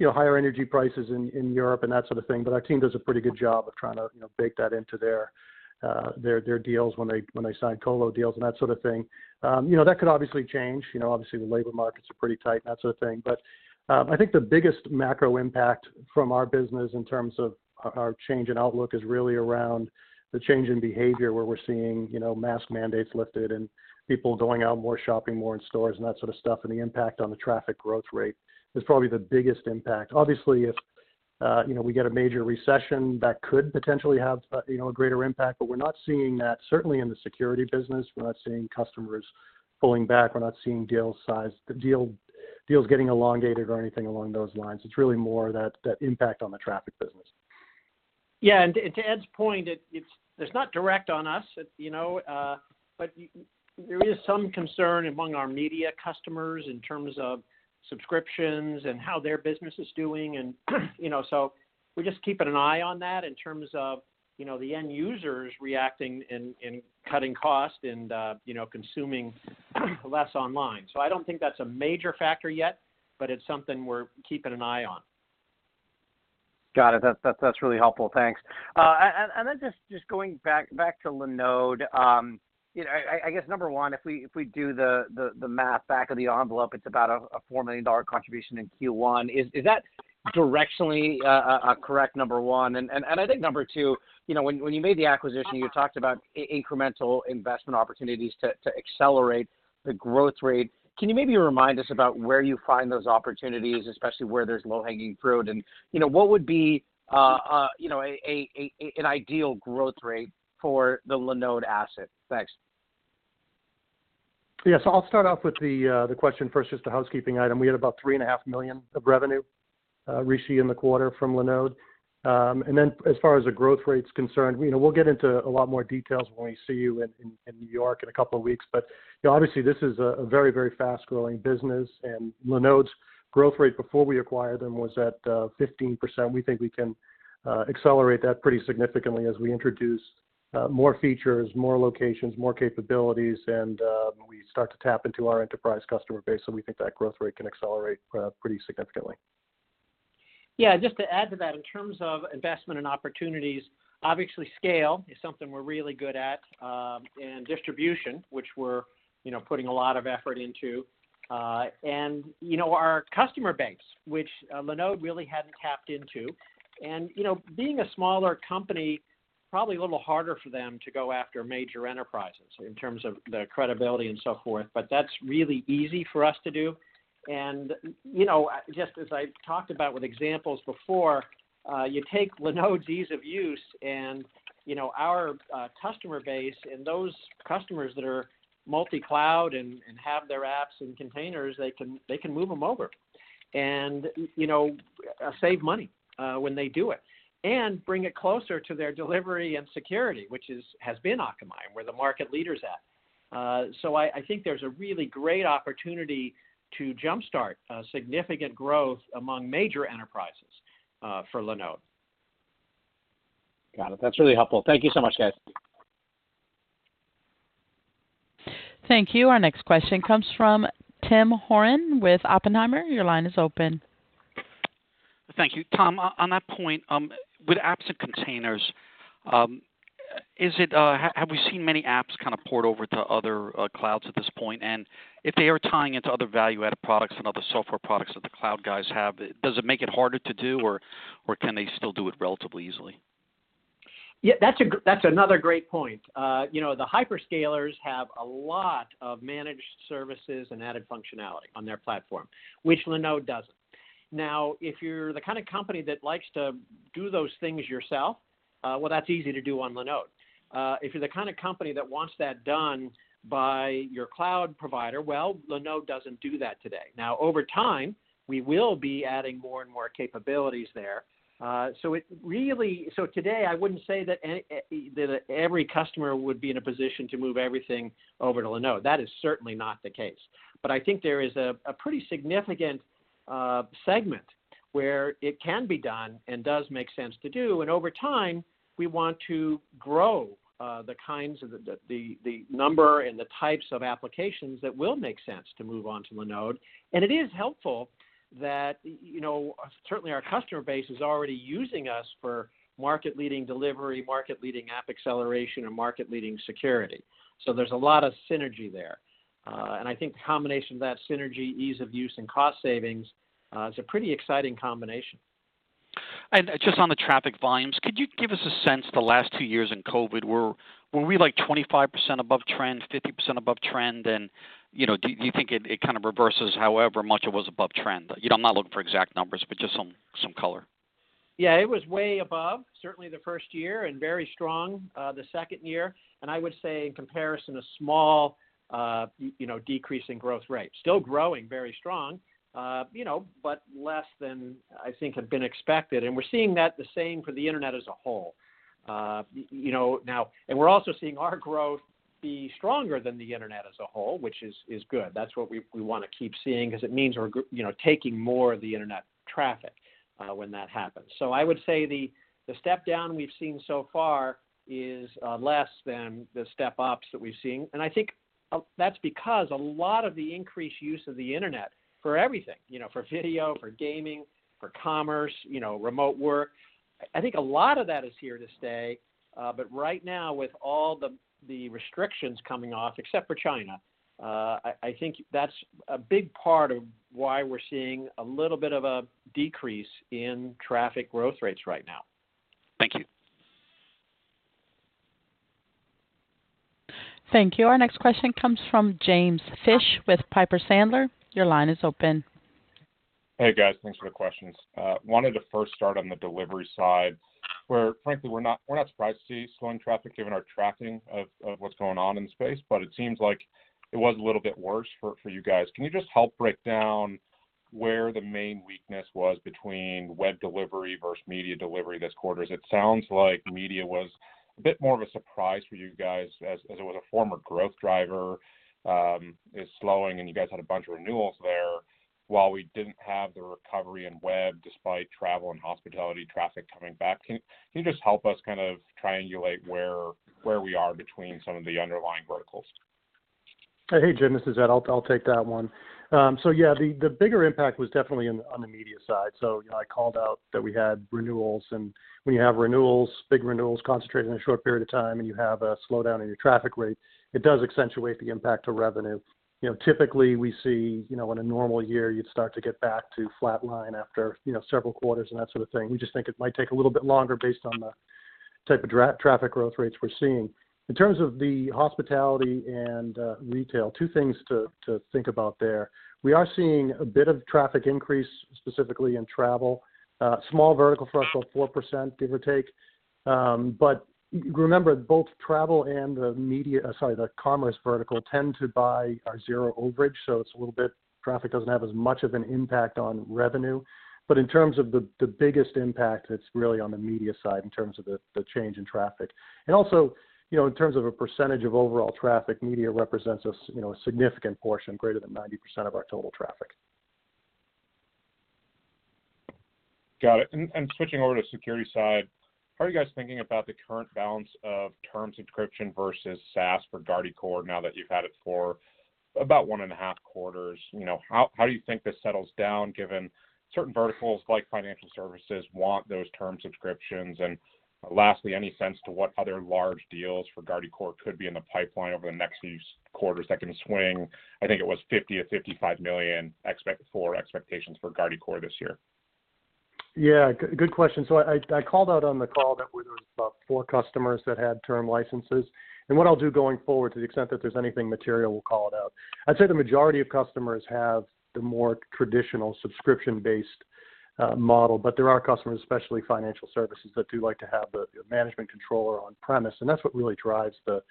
higher energy prices in Europe and that sort of thing, but our team does a pretty good job of trying to bake that into their deals when they sign colo deals and that sort of thing. You know, that could obviously change. You know, obviously the labor markets are pretty tight and that sort of thing. I think the biggest macro impact from our business in terms of our change in outlook is really around the change in behavior, where we're seeing, you know, mask mandates lifted and people going out more, shopping more in stores and that sort of stuff, and the impact on the traffic growth rate is probably the biggest impact. Obviously, if you know, we get a major recession, that could potentially have, you know, a greater impact, but we're not seeing that. Certainly in the security business, we're not seeing customers pulling back. We're not seeing deal size, deals getting elongated or anything along those lines. It's really more that impact on the traffic business. Yeah. To Ed's point, it's not direct on us, you know, but there is some concern among our media customers in terms of subscriptions and how their business is doing and, you know, we're just keeping an eye on that in terms of the end users reacting and cutting cost and, you know, consuming less online. I don't think that's a major factor yet, but it's something we're keeping an eye on. Got it. That's really helpful. Thanks. Just going back to Linode, you know, I guess number one, if we do the math back of the envelope, it's about a $4 million contribution in Q1. Is that directionally correct, number one? I think number two, you know, when you made the acquisition, you talked about incremental investment opportunities to accelerate the growth rate. Can you maybe remind us about where you find those opportunities, especially where there's low-hanging fruit? You know, what would be an ideal growth rate for the Linode asset? Thanks. Yes. I'll start off with the question first, just a housekeeping item. We had about $3.5 million of revenue, Rishi, in the quarter from Linode. As far as the growth rate's concerned, you know, we'll get into a lot more details when we see you in New York in a couple of weeks. You know, obviously this is a very, very fast-growing business. Linode's growth rate before we acquired them was at 15%. We think we can accelerate that pretty significantly as we introduce more features, more locations, more capabilities, and we start to tap into our enterprise customer base. We think that growth rate can accelerate pretty significantly. Yeah, just to add to that, in terms of investment and opportunities, obviously scale is something we're really good at, and distribution, which we're, you know, putting a lot of effort into, and, you know, our customer base, which, Linode really hadn't tapped into. You know, being a smaller company, probably a little harder for them to go after major enterprises in terms of the credibility and so forth. That's really easy for us to do. You know, just as I talked about with examples before, you take Linode's ease of use and, you know, our customer base and those customers that are multi-cloud and have their apps and containers, they can move them over and, you know, save money when they do it and bring it closer to their delivery and security, which has been Akamai, and we're the market leaders at. So I think there's a really great opportunity to jump-start significant growth among major enterprises for Linode. Got it. That's really helpful. Thank you so much, guys. Thank you. Our next question comes from Tim Horan with Oppenheimer. Your line is open. Thank you. Tom, on that point, with apps and containers, is it, have we seen many apps kind of port over to other clouds at this point? If they are tying into other value-added products and other software products that the cloud guys have, does it make it harder to do or can they still do it relatively easily? Yeah, that's another great point. You know, the hyperscalers have a lot of managed services and added functionality on their platform, which Linode doesn't. Now, if you're the kind of company that likes to do those things yourself, well, that's easy to do on Linode. If you're the kind of company that wants that done by your cloud provider, well, Linode doesn't do that today. Now, over time, we will be adding more and more capabilities there. So today, I wouldn't say that any that every customer would be in a position to move everything over to Linode. That is certainly not the case. I think there is a pretty significant segment where it can be done and does make sense to do. Over time, we want to grow the kinds of the number and the types of applications that will make sense to move on to Linode. It is helpful that, you know, certainly our customer base is already using us for market-leading delivery, market-leading app acceleration, and market-leading security. There's a lot of synergy there. I think the combination of that synergy, ease of use, and cost savings is a pretty exciting combination. Just on the traffic volumes, could you give us a sense the last two years in COVID, were we like 25% above trend, 50% above trend? You know, do you think it kind of reverses however much it was above trend? You know, I'm not looking for exact numbers, but just some color. Yeah, it was way above, certainly the first year and very strong, the second year. I would say in comparison, a small, you know, decrease in growth rate. Still growing very strong, you know, but less than I think had been expected. We're seeing that the same for the Internet as a whole. Now we're also seeing our growth be stronger than the Internet as a whole, which is good. That's what we wanna keep seeing because it means we're you know, taking more of the Internet traffic when that happens. I would say the step down we've seen so far is less than the step ups that we've seen. I think that's because a lot of the increased use of the Internet for everything, you know, for video, for gaming, for commerce, you know, remote work, I think a lot of that is here to stay. Right now, with all the restrictions coming off, except for China, I think that's a big part of why we're seeing a little bit of a decrease in traffic growth rates right now. Thank you. Thank you. Our next question comes from James Fish with Piper Sandler. Your line is open. Hey, guys. Thanks for the questions. Wanted to first start on the delivery side, where frankly, we're not surprised to see slowing traffic given our tracking of what's going on in the space, but it seems like it was a little bit worse for you guys. Can you just help break down where the main weakness was between web delivery versus media delivery this quarter? As it sounds like media was a bit more of a surprise for you guys as it was a former growth driver, is slowing, and you guys had a bunch of renewals there while we didn't have the recovery in web despite travel and hospitality traffic coming back. Can you just help us kind of triangulate where we are between some of the underlying verticals? Hey, Jim, this is Ed. I'll take that one. Yeah, the bigger impact was definitely in on the media side. You know, I called out that we had renewals. When you have renewals, big renewals concentrated in a short period of time, and you have a slowdown in your traffic rate, it does accentuate the impact to revenue. You know, typically we see, you know, in a normal year, you'd start to get back to flat line after, you know, several quarters and that sort of thing. We just think it might take a little bit longer based on the type of traffic growth rates we're seeing. In terms of the hospitality and retail, two things to think about there. We are seeing a bit of traffic increase, specifically in travel. Small vertical for us, about 4%, give or take. Remember, both travel and the media, sorry, the commerce vertical tend to buy our zero overage, so it's a little bit. Traffic doesn't have as much of an impact on revenue. In terms of the biggest impact, it's really on the media side in terms of the change in traffic. Also, you know, in terms of a percentage of overall traffic, media represents a significant portion, greater than 90% of our total traffic. Got it. Switching over to security side, how are you guys thinking about the current balance of term subscription versus SaaS for Guardicore now that you've had it for about one and a half quarters? You know, how do you think this settles down, given certain verticals like financial services want those term subscriptions? Lastly, any sense to what other large deals for Guardicore could be in the pipeline over the next few quarters that can swing, I think it was $50 million-$55 million expectations for Guardicore this year. Yeah, good question. I called out on the call that we had about four customers that had term licenses. What I'll do going forward, to the extent that there's anything material, we'll call it out. I'd say the majority of customers have the more traditional subscription-based model, but there are customers, especially financial services, that do like to have the management controller on-premises. That's what really drives the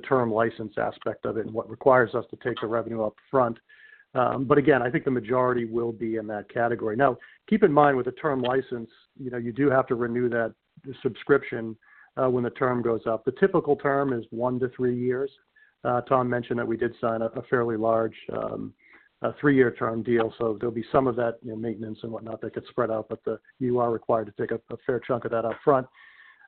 term license aspect of it and what requires us to take the revenue up front. Again, I think the majority will be in that category. Now, keep in mind with the term license, you know, you do have to renew that subscription when the term goes up. The typical term is one to three years. Tom mentioned that we did sign a fairly large three-year term deal, so there'll be some of that, you know, maintenance and whatnot that gets spread out, but you are required to take a fair chunk of that up front.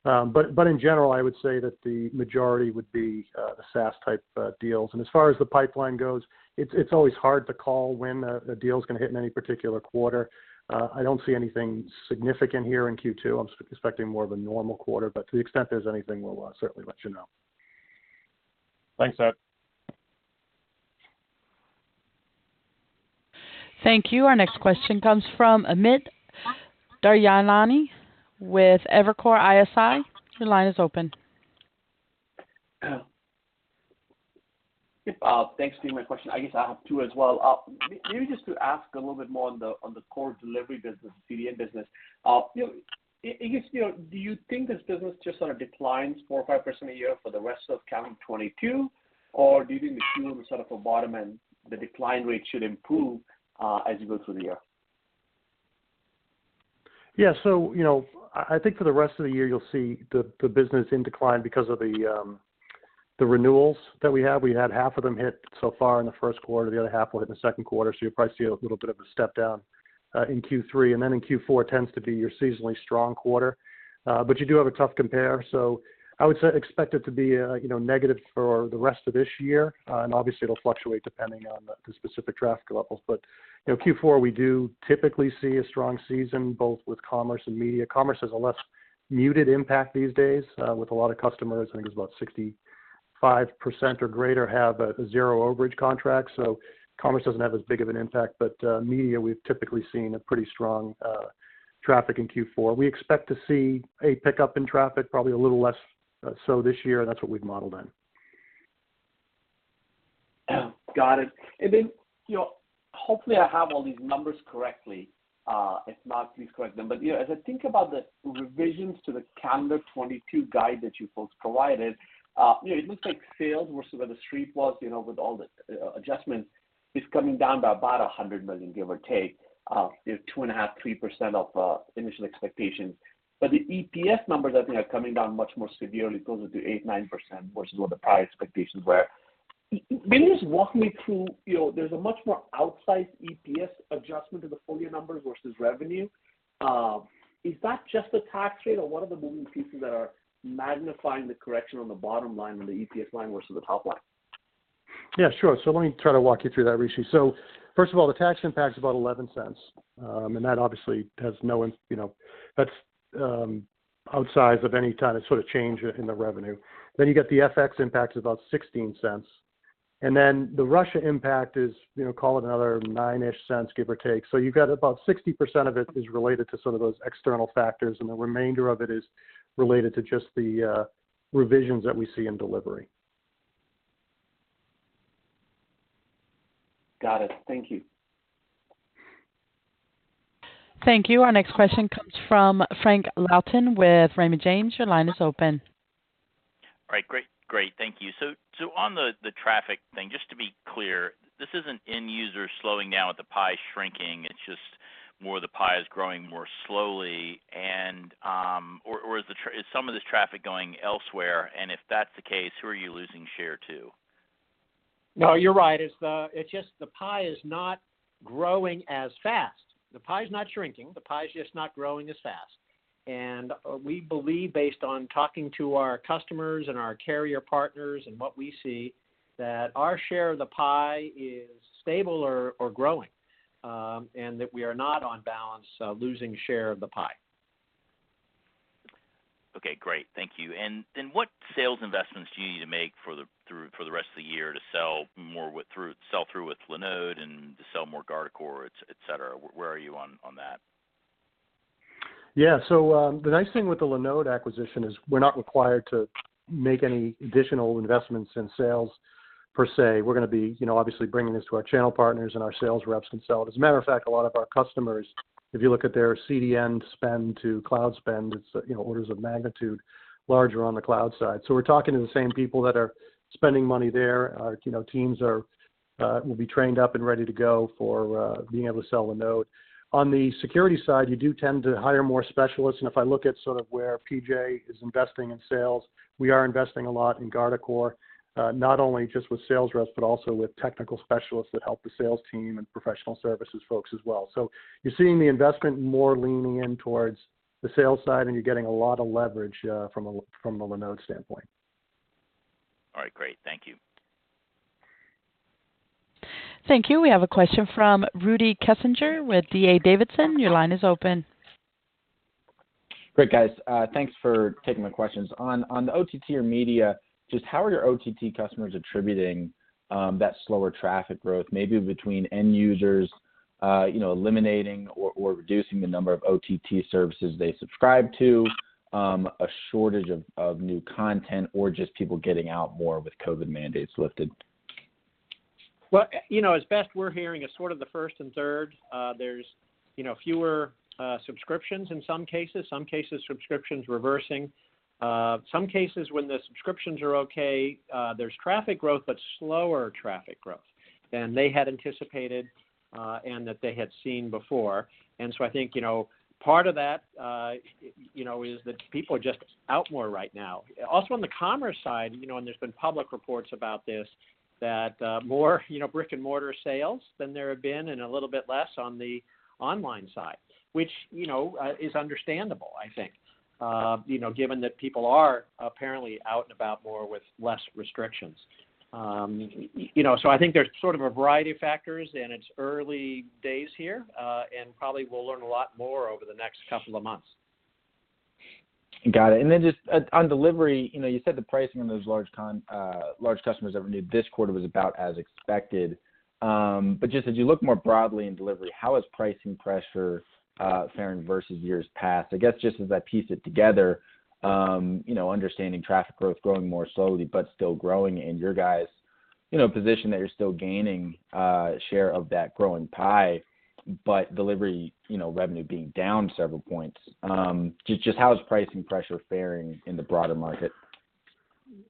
In general, I would say that the majority would be the SaaS-type deals. As far as the pipeline goes, it's always hard to call when a deal's gonna hit in any particular quarter. I don't see anything significant here in Q2. I'm expecting more of a normal quarter. To the extent there's anything, we'll certainly let you know. Thanks, Ed. Thank you. Our next question comes from Amit Daryanani with Evercore ISI. Your line is open. Thanks for taking my question. I guess I have two as well. Maybe just to ask a little bit more on the core delivery business, CDN business. You know, it gives me. Do you think this business just sort of declines 4% or 5% a year for the rest of calendar 2022, or do you assume sort of a bottom end, the decline rate should improve, as you go through the year? Yeah. You know, I think for the rest of the year, you'll see the business in decline because of the renewals that we have. We had half of them hit so far in the first quarter. The other half will hit in the second quarter. You'll probably see a little bit of a step down in Q3. In Q4 tends to be your seasonally strong quarter. You do have a tough compare. I would say expect it to be, you know, negative for the rest of this year. Obviously it'll fluctuate depending on the specific traffic levels. You know, Q4, we do typically see a strong season, both with commerce and media. Commerce has a less muted impact these days, with a lot of customers, I think it was about 65% or greater, have a zero overage contract. Commerce doesn't have as big of an impact. Media, we've typically seen a pretty strong traffic in Q4. We expect to see a pickup in traffic, probably a little less so this year, and that's what we've modeled in. Got it. Then, you know, hopefully I have all these numbers correctly. If not, please correct them. You know, as I think about the revisions to the calendar 2022 guide that you folks provided, you know, it looks like sales versus where the street was, you know, with all the adjustments, is coming down by about $100 million, give or take. You know, 2.5%-3% of initial expectations. But the EPS numbers I think are coming down much more severely, closer to 8%-9% versus what the prior expectations were. Maybe just walk me through, you know, there's a much more outsized EPS adjustment to the full year numbers versus revenue. Is that just the tax rate, or what are the moving pieces that are magnifying the correction on the bottom line, on the EPS line versus the top line? Yeah, sure. Let me try to walk you through that, Rishi. First of all, the tax impact's about $0.11. And that obviously has, you know, that's outside of any kind of sort of change in the revenue. You get the FX impact is about $0.16. The Russia impact is, you know, call it another 9-ish cents, give or take. You've got about 60% of it is related to some of those external factors, and the remainder of it is related to just the revisions that we see in delivery. Got it. Thank you. Thank you. Our next question comes from Frank Louthan with Raymond James. Your line is open. All right. Great. Thank you. So on the traffic thing, just to be clear, this isn't end users slowing down with the pie shrinking. It's just more the pie is growing more slowly, or is some of this traffic going elsewhere? If that's the case, who are you losing share to? No, you're right. It's just the pie is not growing as fast. The pie is not shrinking. The pie is just not growing as fast. We believe based on talking to our customers and our carrier partners and what we see, that our share of the pie is stable or growing, and that we are not on balance losing share of the pie. Okay, great. Thank you. What sales investments do you need to make for the rest of the year to sell more sell through with Linode and to sell more Guardicore, et cetera? Where are you on that? Yeah. The nice thing with the Linode acquisition is we're not required to make any additional investments in sales per se. We're gonna be, you know, obviously bringing this to our channel partners, and our sales reps can sell it. As a matter of fact, a lot of our customers, if you look at their CDN spend to cloud spend, it's, you know, orders of magnitude larger on the cloud side. We're talking to the same people that are spending money there. Our, you know, teams will be trained up and ready to go for being able to sell Linode. On the security side, you do tend to hire more specialists. If I look at sort of where PJ is investing in sales, we are investing a lot in Guardicore, not only just with sales reps, but also with technical specialists that help the sales team and professional services folks as well. You're seeing the investment more leaning in towards the sales side, and you're getting a lot of leverage from a Linode standpoint. All right, great. Thank you. Thank you. We have a question from Rudy Kessinger with D.A. Davidson. Your line is open. Great, guys. Thanks for taking my questions. On the OTT or media, just how are your OTT customers attributing that slower traffic growth, maybe between end users, you know, eliminating or reducing the number of OTT services they subscribe to, a shortage of new content, or just people getting out more with COVID mandates lifted? Well, you know, as best we're hearing is sort of the first and third. There's, you know, fewer subscriptions in some cases, subscriptions reversing. Some cases when the subscriptions are okay, there's traffic growth but slower traffic growth than they had anticipated, and that they had seen before. I think, you know, part of that, you know, is that people are just out more right now. Also, on the commerce side, you know, and there's been public reports about this, that more, you know, brick and mortar sales than there have been and a little bit less on the online side, which, you know, is understandable, I think, you know, given that people are apparently out and about more with less restrictions. You know, I think there's sort of a variety of factors, and it's early days here, and probably we'll learn a lot more over the next couple of months. Got it. Just on delivery, you know, you said the pricing on those large customers that renewed this quarter was about as expected. Just as you look more broadly in delivery, how is pricing pressure faring versus years past? I guess just as I piece it together, you know, understanding traffic growth growing more slowly but still growing and your guys, you know, position that you're still gaining share of that growing pie, but delivery, you know, revenue being down several points, just how is pricing pressure faring in the broader market?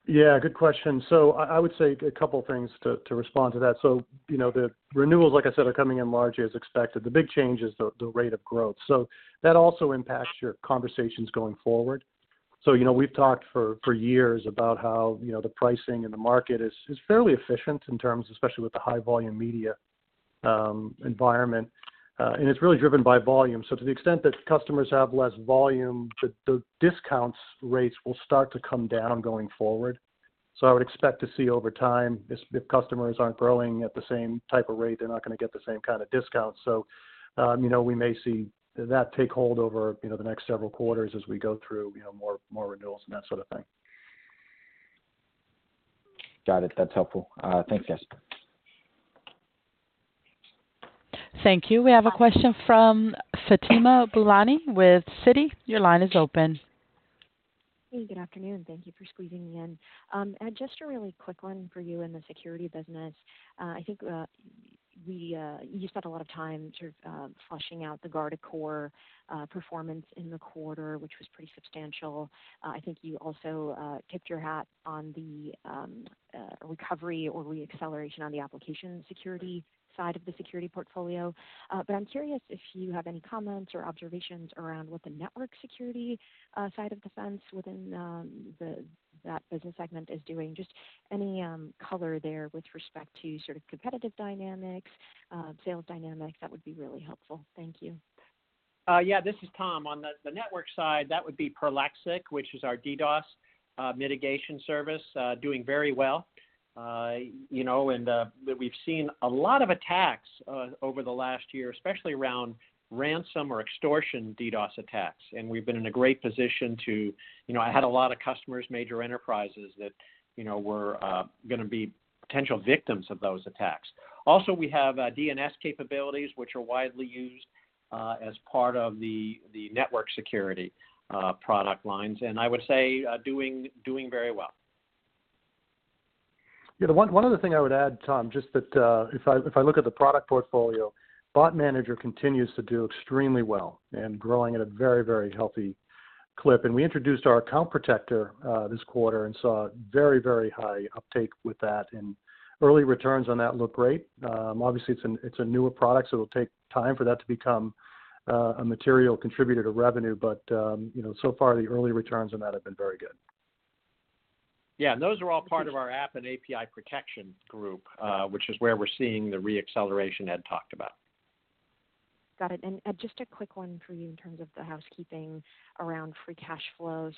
Yeah, good question. I would say a couple things to respond to that. You know, the renewals, like I said, are coming in largely as expected. The big change is the rate of growth. That also impacts your conversations going forward. You know, we've talked for years about how, you know, the pricing and the market is fairly efficient in terms, especially with the high volume media environment, and it's really driven by volume. To the extent that customers have less volume, the discount rates will start to come down going forward. I would expect to see over time, if customers aren't growing at the same type of rate, they're not gonna get the same kind of discount. You know, we may see that take hold over, you know, the next several quarters as we go through, you know, more renewals and that sort of thing. Got it. That's helpful. Thanks, guys. Thank you. We have a question from Fatima Boolani with Citi. Your line is open. Hey, good afternoon. Thank you for squeezing me in. Just a really quick one for you in the security business. I think you spent a lot of time sort of fleshing out the Guardicore performance in the quarter, which was pretty substantial. I think you also tipped your hat on the recovery or re-acceleration on the application security side of the security portfolio. I'm curious if you have any comments or observations around what the network security side of the fence within that business segment is doing. Just any color there with respect to sort of competitive dynamics, sales dynamics, that would be really helpful. Thank you. Yeah. This is Tom. On the network side, that would be Prolexic, which is our DDoS mitigation service, doing very well. You know, we've seen a lot of attacks over the last year, especially around ransom or extortion DDoS attacks. We've been in a great position. You know, I had a lot of customers, major enterprises that, you know, were gonna be potential victims of those attacks. Also, we have DNS capabilities, which are widely used as part of the network security product lines, and I would say doing very well. Yeah. The one other thing I would add, Tom, just that, if I look at the product portfolio, Bot Manager continues to do extremely well and growing at a very, very healthy clip. We introduced our Account Protector this quarter and saw very, very high uptake with that, and early returns on that look great. Obviously, it's a newer product, so it'll take time for that to become a material contributor to revenue. You know, so far, the early returns on that have been very good. Yeah, those are all part of our app and API protection group, which is where we're seeing the re-acceleration Ed talked about. Got it. Ed, just a quick one for you in terms of the housekeeping around Free Cash Flow.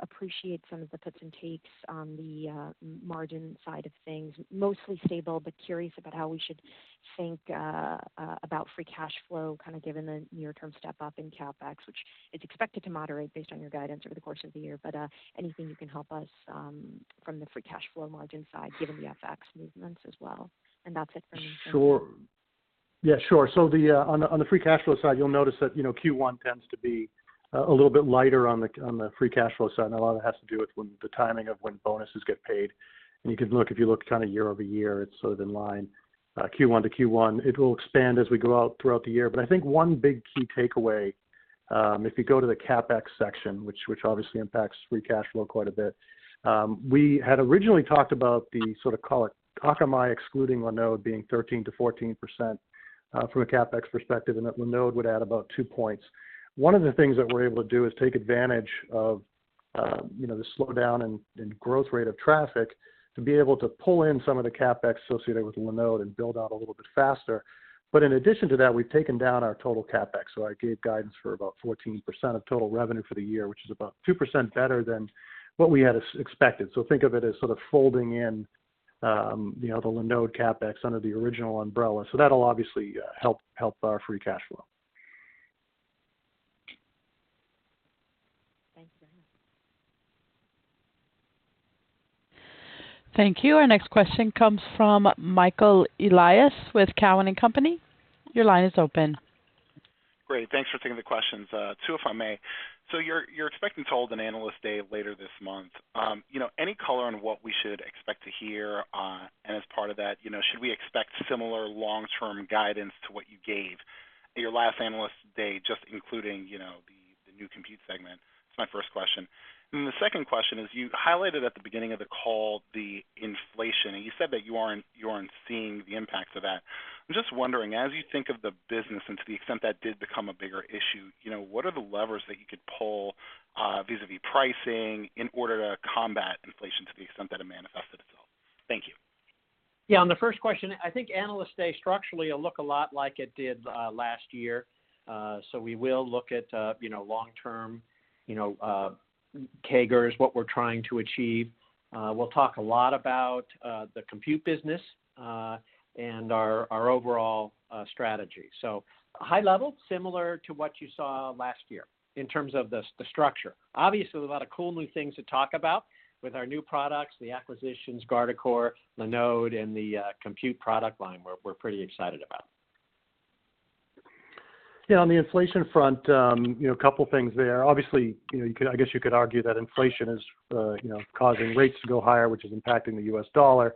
Appreciate some of the puts and takes on the margin side of things. Mostly stable, but curious about how we should think about Free Cash Flow, kind of given the near-term step up in CapEx, which is expected to moderate based on your guidance over the course of the year. Anything you can help us from the Free Cash Flow margin side, given the FX movements as well? That's it for me, so. Sure. Yeah, sure. On the Free Cash Flow side, you'll notice that, you know, Q1 tends to be a little bit lighter on the Free Cash Flow side, and a lot of it has to do with the timing of when bonuses get paid. You can look, if you look kind of year-over-year, it's sort of in line Q1-Q1. It will expand as we go out throughout the year. I think one big key takeaway, if you go to the CapEx section, which obviously impacts Free Cash Flow quite a bit, we had originally talked about the sort of call it Akamai excluding Linode being 13%-14% from a CapEx perspective, and that Linode would add about two points. One of the things that we're able to do is take advantage of, you know, the slowdown in growth rate of traffic to be able to pull in some of the CapEx associated with Linode and build out a little bit faster. In addition to that, we've taken down our total CapEx. I gave guidance for about 14% of total revenue for the year, which is about 2% better than what we had expected. Think of it as sort of folding in, you know, the Linode CapEx under the original umbrella. That'll obviously help our Free Cash Flow. Thanks very much. Thank you. Our next question comes from Michael Elias with Cowen and Company. Your line is open. Great. Thanks for taking the questions. Two, if I may. You're expecting to hold an Analyst Day later this month. You know, any color on what we should expect to hear, and as part of that, you know, should we expect similar long-term guidance to what you gave at your last Analyst Day, just including, you know, the new Compute segment? That's my first question. The second question is, you highlighted at the beginning of the call the inflation, and you said that you aren't seeing the impacts of that. I'm just wondering, as you think of the business and to the extent that did become a bigger issue, you know, what are the levers that you could pull, vis-a-vis pricing in order to combat inflation to the extent that it manifested itself? Thank you. Yeah, on the first question, I think Analyst Day structurally will look a lot like it did last year. We will look at you know, long-term, you know, CAGRs, what we're trying to achieve. We'll talk a lot about the Compute business and our overall strategy. High level, similar to what you saw last year in terms of the structure. Obviously, there's a lot of cool new things to talk about with our new products, the acquisitions, Guardicore, Linode, and the Compute product line we're pretty excited about. Yeah, on the inflation front, you know, a couple things there. Obviously, you know, I guess you could argue that inflation is, you know, causing rates to go higher, which is impacting the US dollar.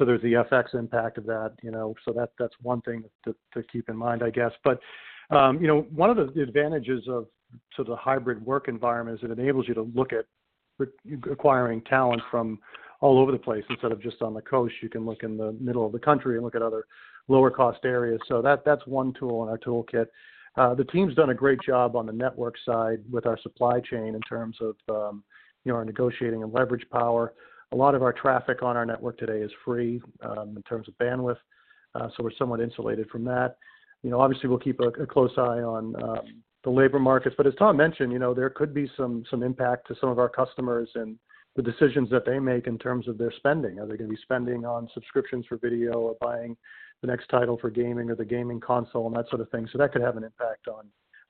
There's the FX impact of that, you know, so that's one thing to keep in mind, I guess. One of the advantages of sort of the hybrid work environment is it enables you to look at acquiring talent from all over the place instead of just on the coast. You can look in the middle of the country and look at other lower cost areas. That's one tool in our toolkit. The team's done a great job on the network side with our supply chain in terms of, you know, our negotiating and leverage power. A lot of our traffic on our network today is free, in terms of bandwidth, so we're somewhat insulated from that. You know, obviously, we'll keep a close eye on the labor markets. As Tom mentioned, you know, there could be some impact to some of our customers and the decisions that they make in terms of their spending. Are they gonna be spending on subscriptions for video or buying the next title for gaming or the gaming console and that sort of thing? That could have an impact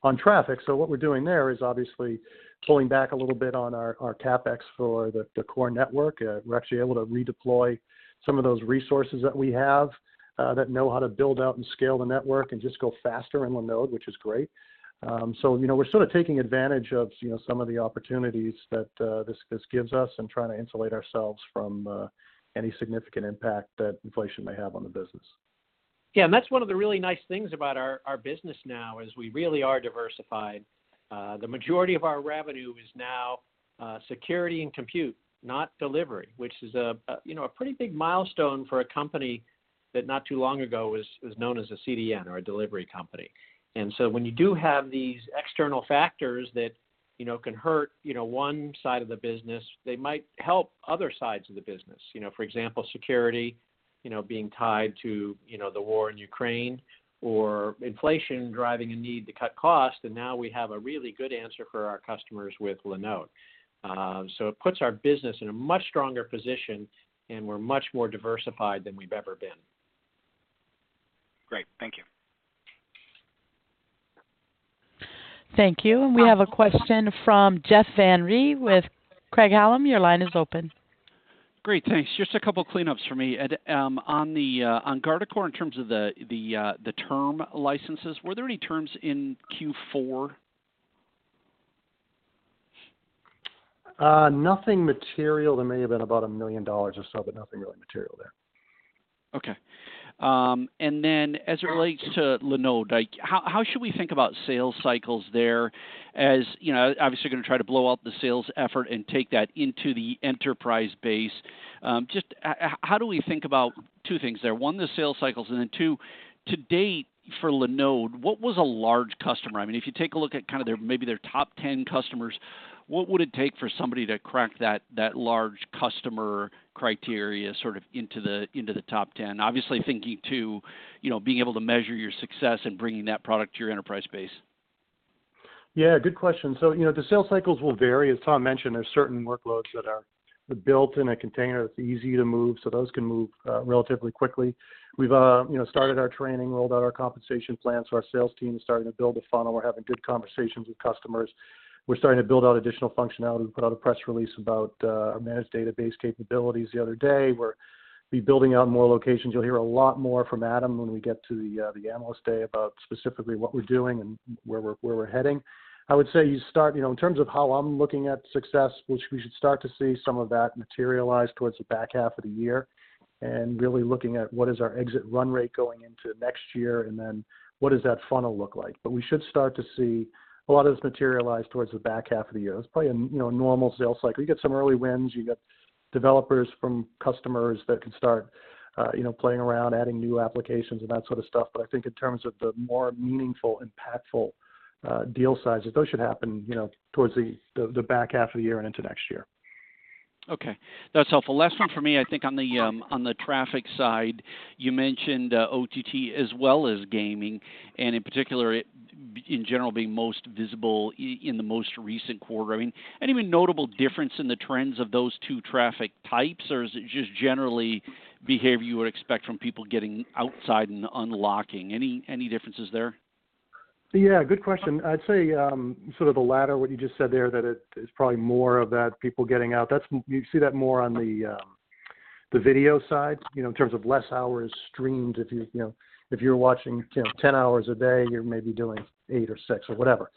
on traffic. What we're doing there is obviously pulling back a little bit on our CapEx for the core network. We're actually able to redeploy some of those resources that we have, that know how to build out and scale the network and just go faster in Linode, which is great. You know, we're sort of taking advantage of you know, some of the opportunities that this gives us and trying to insulate ourselves from any significant impact that inflation may have on the business. Yeah, that's one of the really nice things about our business now, is we really are diversified. The majority of our revenue is now security and compute, not delivery, which is you know a pretty big milestone for a company that not too long ago was known as a CDN or a delivery company. When you do have these external factors that you know can hurt you know one side of the business, they might help other sides of the business. You know, for example, security you know being tied to you know the war in Ukraine or inflation driving a need to cut cost, and now we have a really good answer for our customers with Linode. It puts our business in a much stronger position, and we're much more diversified than we've ever been. Great. Thank you. Thank you. We have a question from Jeff Van Rhee with Craig-Hallum. Your line is open. Great. Thanks. Just a couple cleanups for me. Ed, on Guardicore, in terms of the term licenses, were there any terms in Q4? Nothing material. There may have been about $1 million or so, but nothing really material there. Okay. As it relates to Linode, like how should we think about sales cycles there? You know, obviously you're gonna try to blow out the sales effort and take that into the enterprise base. Just how do we think about two things there? One, the sales cycles, and then two, to date for Linode, what was a large customer? I mean, if you take a look at kind of their, maybe their top 10 customers, what would it take for somebody to crack that large customer criteria sort of into the top 10? Obviously thinking to, you know, being able to measure your success in bringing that product to your enterprise base. Yeah, good question. You know, the sales cycles will vary. As Tom mentioned, there's certain workloads that are built in a container that's easy to move, so those can move relatively quickly. We've you know started our training, rolled out our compensation plan, so our sales team is starting to build a funnel. We're having good conversations with customers. We're starting to build out additional functionality. We put out a press release about our managed database capabilities the other day. We're rebuilding out more locations. You'll hear a lot more from Adam when we get to the Analyst Day about specifically what we're doing and where we're heading. I would say you start. You know, in terms of how I'm looking at success, which we should start to see some of that materialize towards the back half of the year, and really looking at what is our exit run rate going into next year, and then what does that funnel look like. We should start to see a lot of this materialize towards the back half of the year. It's probably a you know, normal sales cycle. You get some early wins. You get developers from customers that can start you know, playing around, adding new applications and that sort of stuff. I think in terms of the more meaningful, impactful deal sizes, those should happen you know, towards the back half of the year and into next year. Okay, that's helpful. Last one for me, I think on the traffic side, you mentioned OTT as well as gaming, and in particular in general being most visible in the most recent quarter. I mean, any notable difference in the trends of those two traffic types, or is it just generally behavior you would expect from people getting outside and unlocking? Any differences there? Yeah, good question. I'd say sort of the latter, what you just said there, that it is probably more of that people getting out. That's. You see that more on the video side, you know, in terms of less hours streamed if you know. If you're watching 10 hours a day, you're maybe doing eight or six or whatever.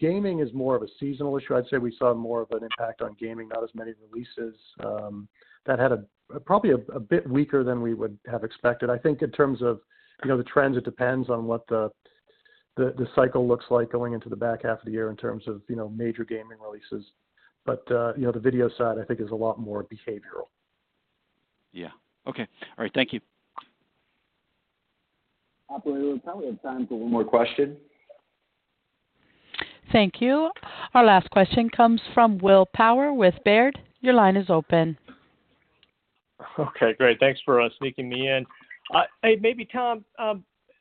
Gaming is more of a seasonal issue. I'd say we saw more of an impact on gaming, not as many releases that had a bit weaker than we would have expected. I think in terms of you know, the trends, it depends on what the cycle looks like going into the back half of the year in terms of you know, major gaming releases. You know, the video side, I think, is a lot more behavioral. Yeah. Okay. All right. Thank you. Operator, we probably have time for one more question. Thank you. Our last question comes from Will Power with Baird. Your line is open. Okay, great. Thanks for sneaking me in. Hey, maybe Tom,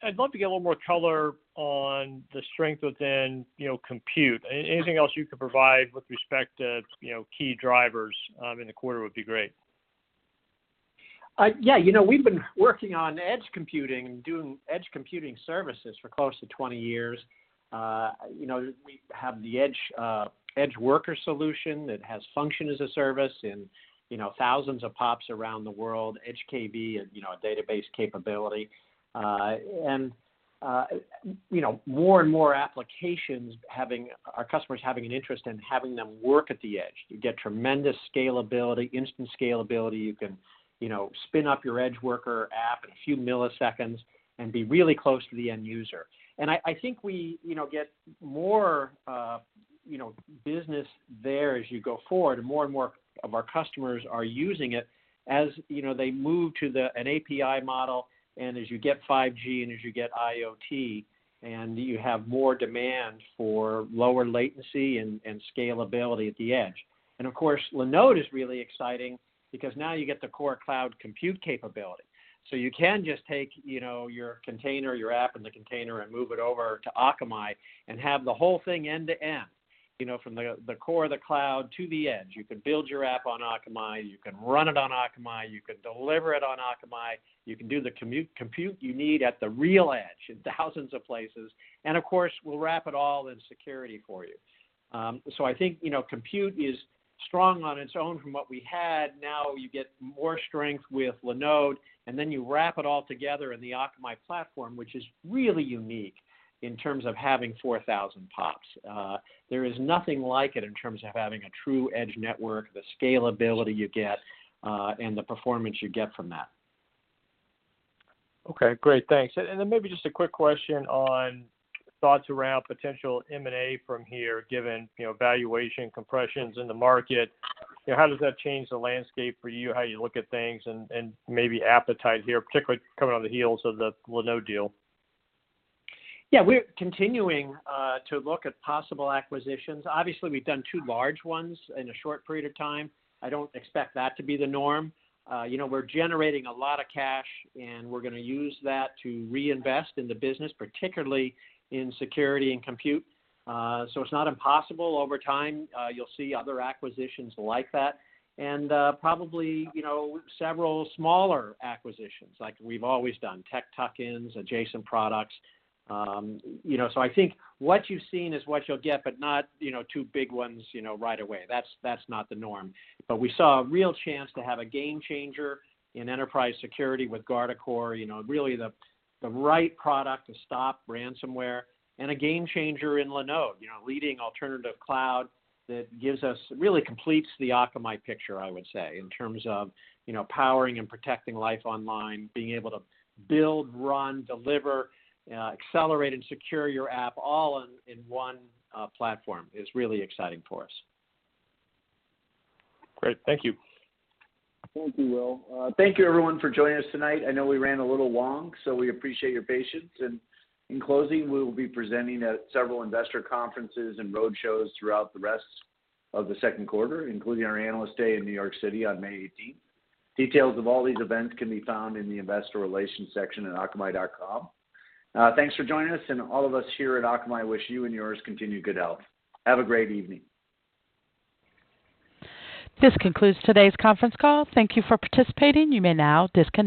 I'd love to get a little more color on the strength within, you know, compute. Anything else you could provide with respect to, you know, key drivers in the quarter would be great. Yeah. You know, we've been working on edge computing, doing edge computing services for close to 20 years. You know, we have the edge, EdgeWorkers solution that has function as a service in, you know, thousands of POPs around the world, EdgeKV, and you know, a database capability. You know, more and more applications, our customers having an interest in having them work at the edge. You get tremendous scalability, instant scalability. You can, you know, spin up your EdgeWorkers app in a few milliseconds and be really close to the end user. I think we, you know, get more, you know, business there as you go forward, and more and more of our customers are using it as, you know, they move to an API model, and as you get 5G and as you get IoT, and you have more demand for lower latency and scalability at the edge. Of course, Linode is really exciting because now you get the core cloud compute capability. You can just take, you know, your container, your app in the container and move it over to Akamai and have the whole thing end-to-end, you know, from the core of the cloud to the Edge. You can build your app on Akamai, you can run it on Akamai, you can deliver it on Akamai, you can do the compute you need at the real Edge in thousands of places, and of course, we'll wrap it all in security for you. I think, you know, compute is strong on its own from what we had. Now you get more strength with Linode, and then you wrap it all together in the Akamai platform, which is really unique in terms of having 4,000 POPs. There is nothing like it in terms of having a true edge network, the scalability you get, and the performance you get from that. Okay, great. Thanks. Maybe just a quick question on thoughts around potential M&A from here, given, you know, valuation compressions in the market. You know, how does that change the landscape for you, how you look at things and maybe appetite here, particularly coming on the heels of the Linode deal? Yeah. We're continuing to look at possible acquisitions. Obviously, we've done two large ones in a short period of time. I don't expect that to be the norm. You know, we're generating a lot of cash and we're gonna use that to reinvest in the business, particularly in security and compute. So it's not impossible over time. You'll see other acquisitions like that and probably, you know, several smaller acquisitions like we've always done, tech tuck-ins, adjacent products. You know, so I think what you've seen is what you'll get, but not, you know, two big ones, you know, right away. That's not the norm. We saw a real chance to have a game changer in enterprise security with Guardicore, you know, really the right product to stop ransomware and a game changer in Linode, you know, leading alternative cloud that gives us really completes the Akamai picture, I would say, in terms of, you know, powering and protecting life online, being able to build, run, deliver, accelerate and secure your app all in one platform is really exciting for us. Great. Thank you. Thank you, Will. Thank you everyone for joining us tonight. I know we ran a little long, so we appreciate your patience. In closing, we'll be presenting at several investor conferences and roadshows throughout the rest of the second quarter, including our Analyst Day in New York City on May 18. Details of all these events can be found in the Investor Relations section at akamai.com. Thanks for joining us, and all of us here at Akamai wish you and yours continued good health. Have a great evening. This concludes today's conference call. Thank you for participating. You may now disconnect.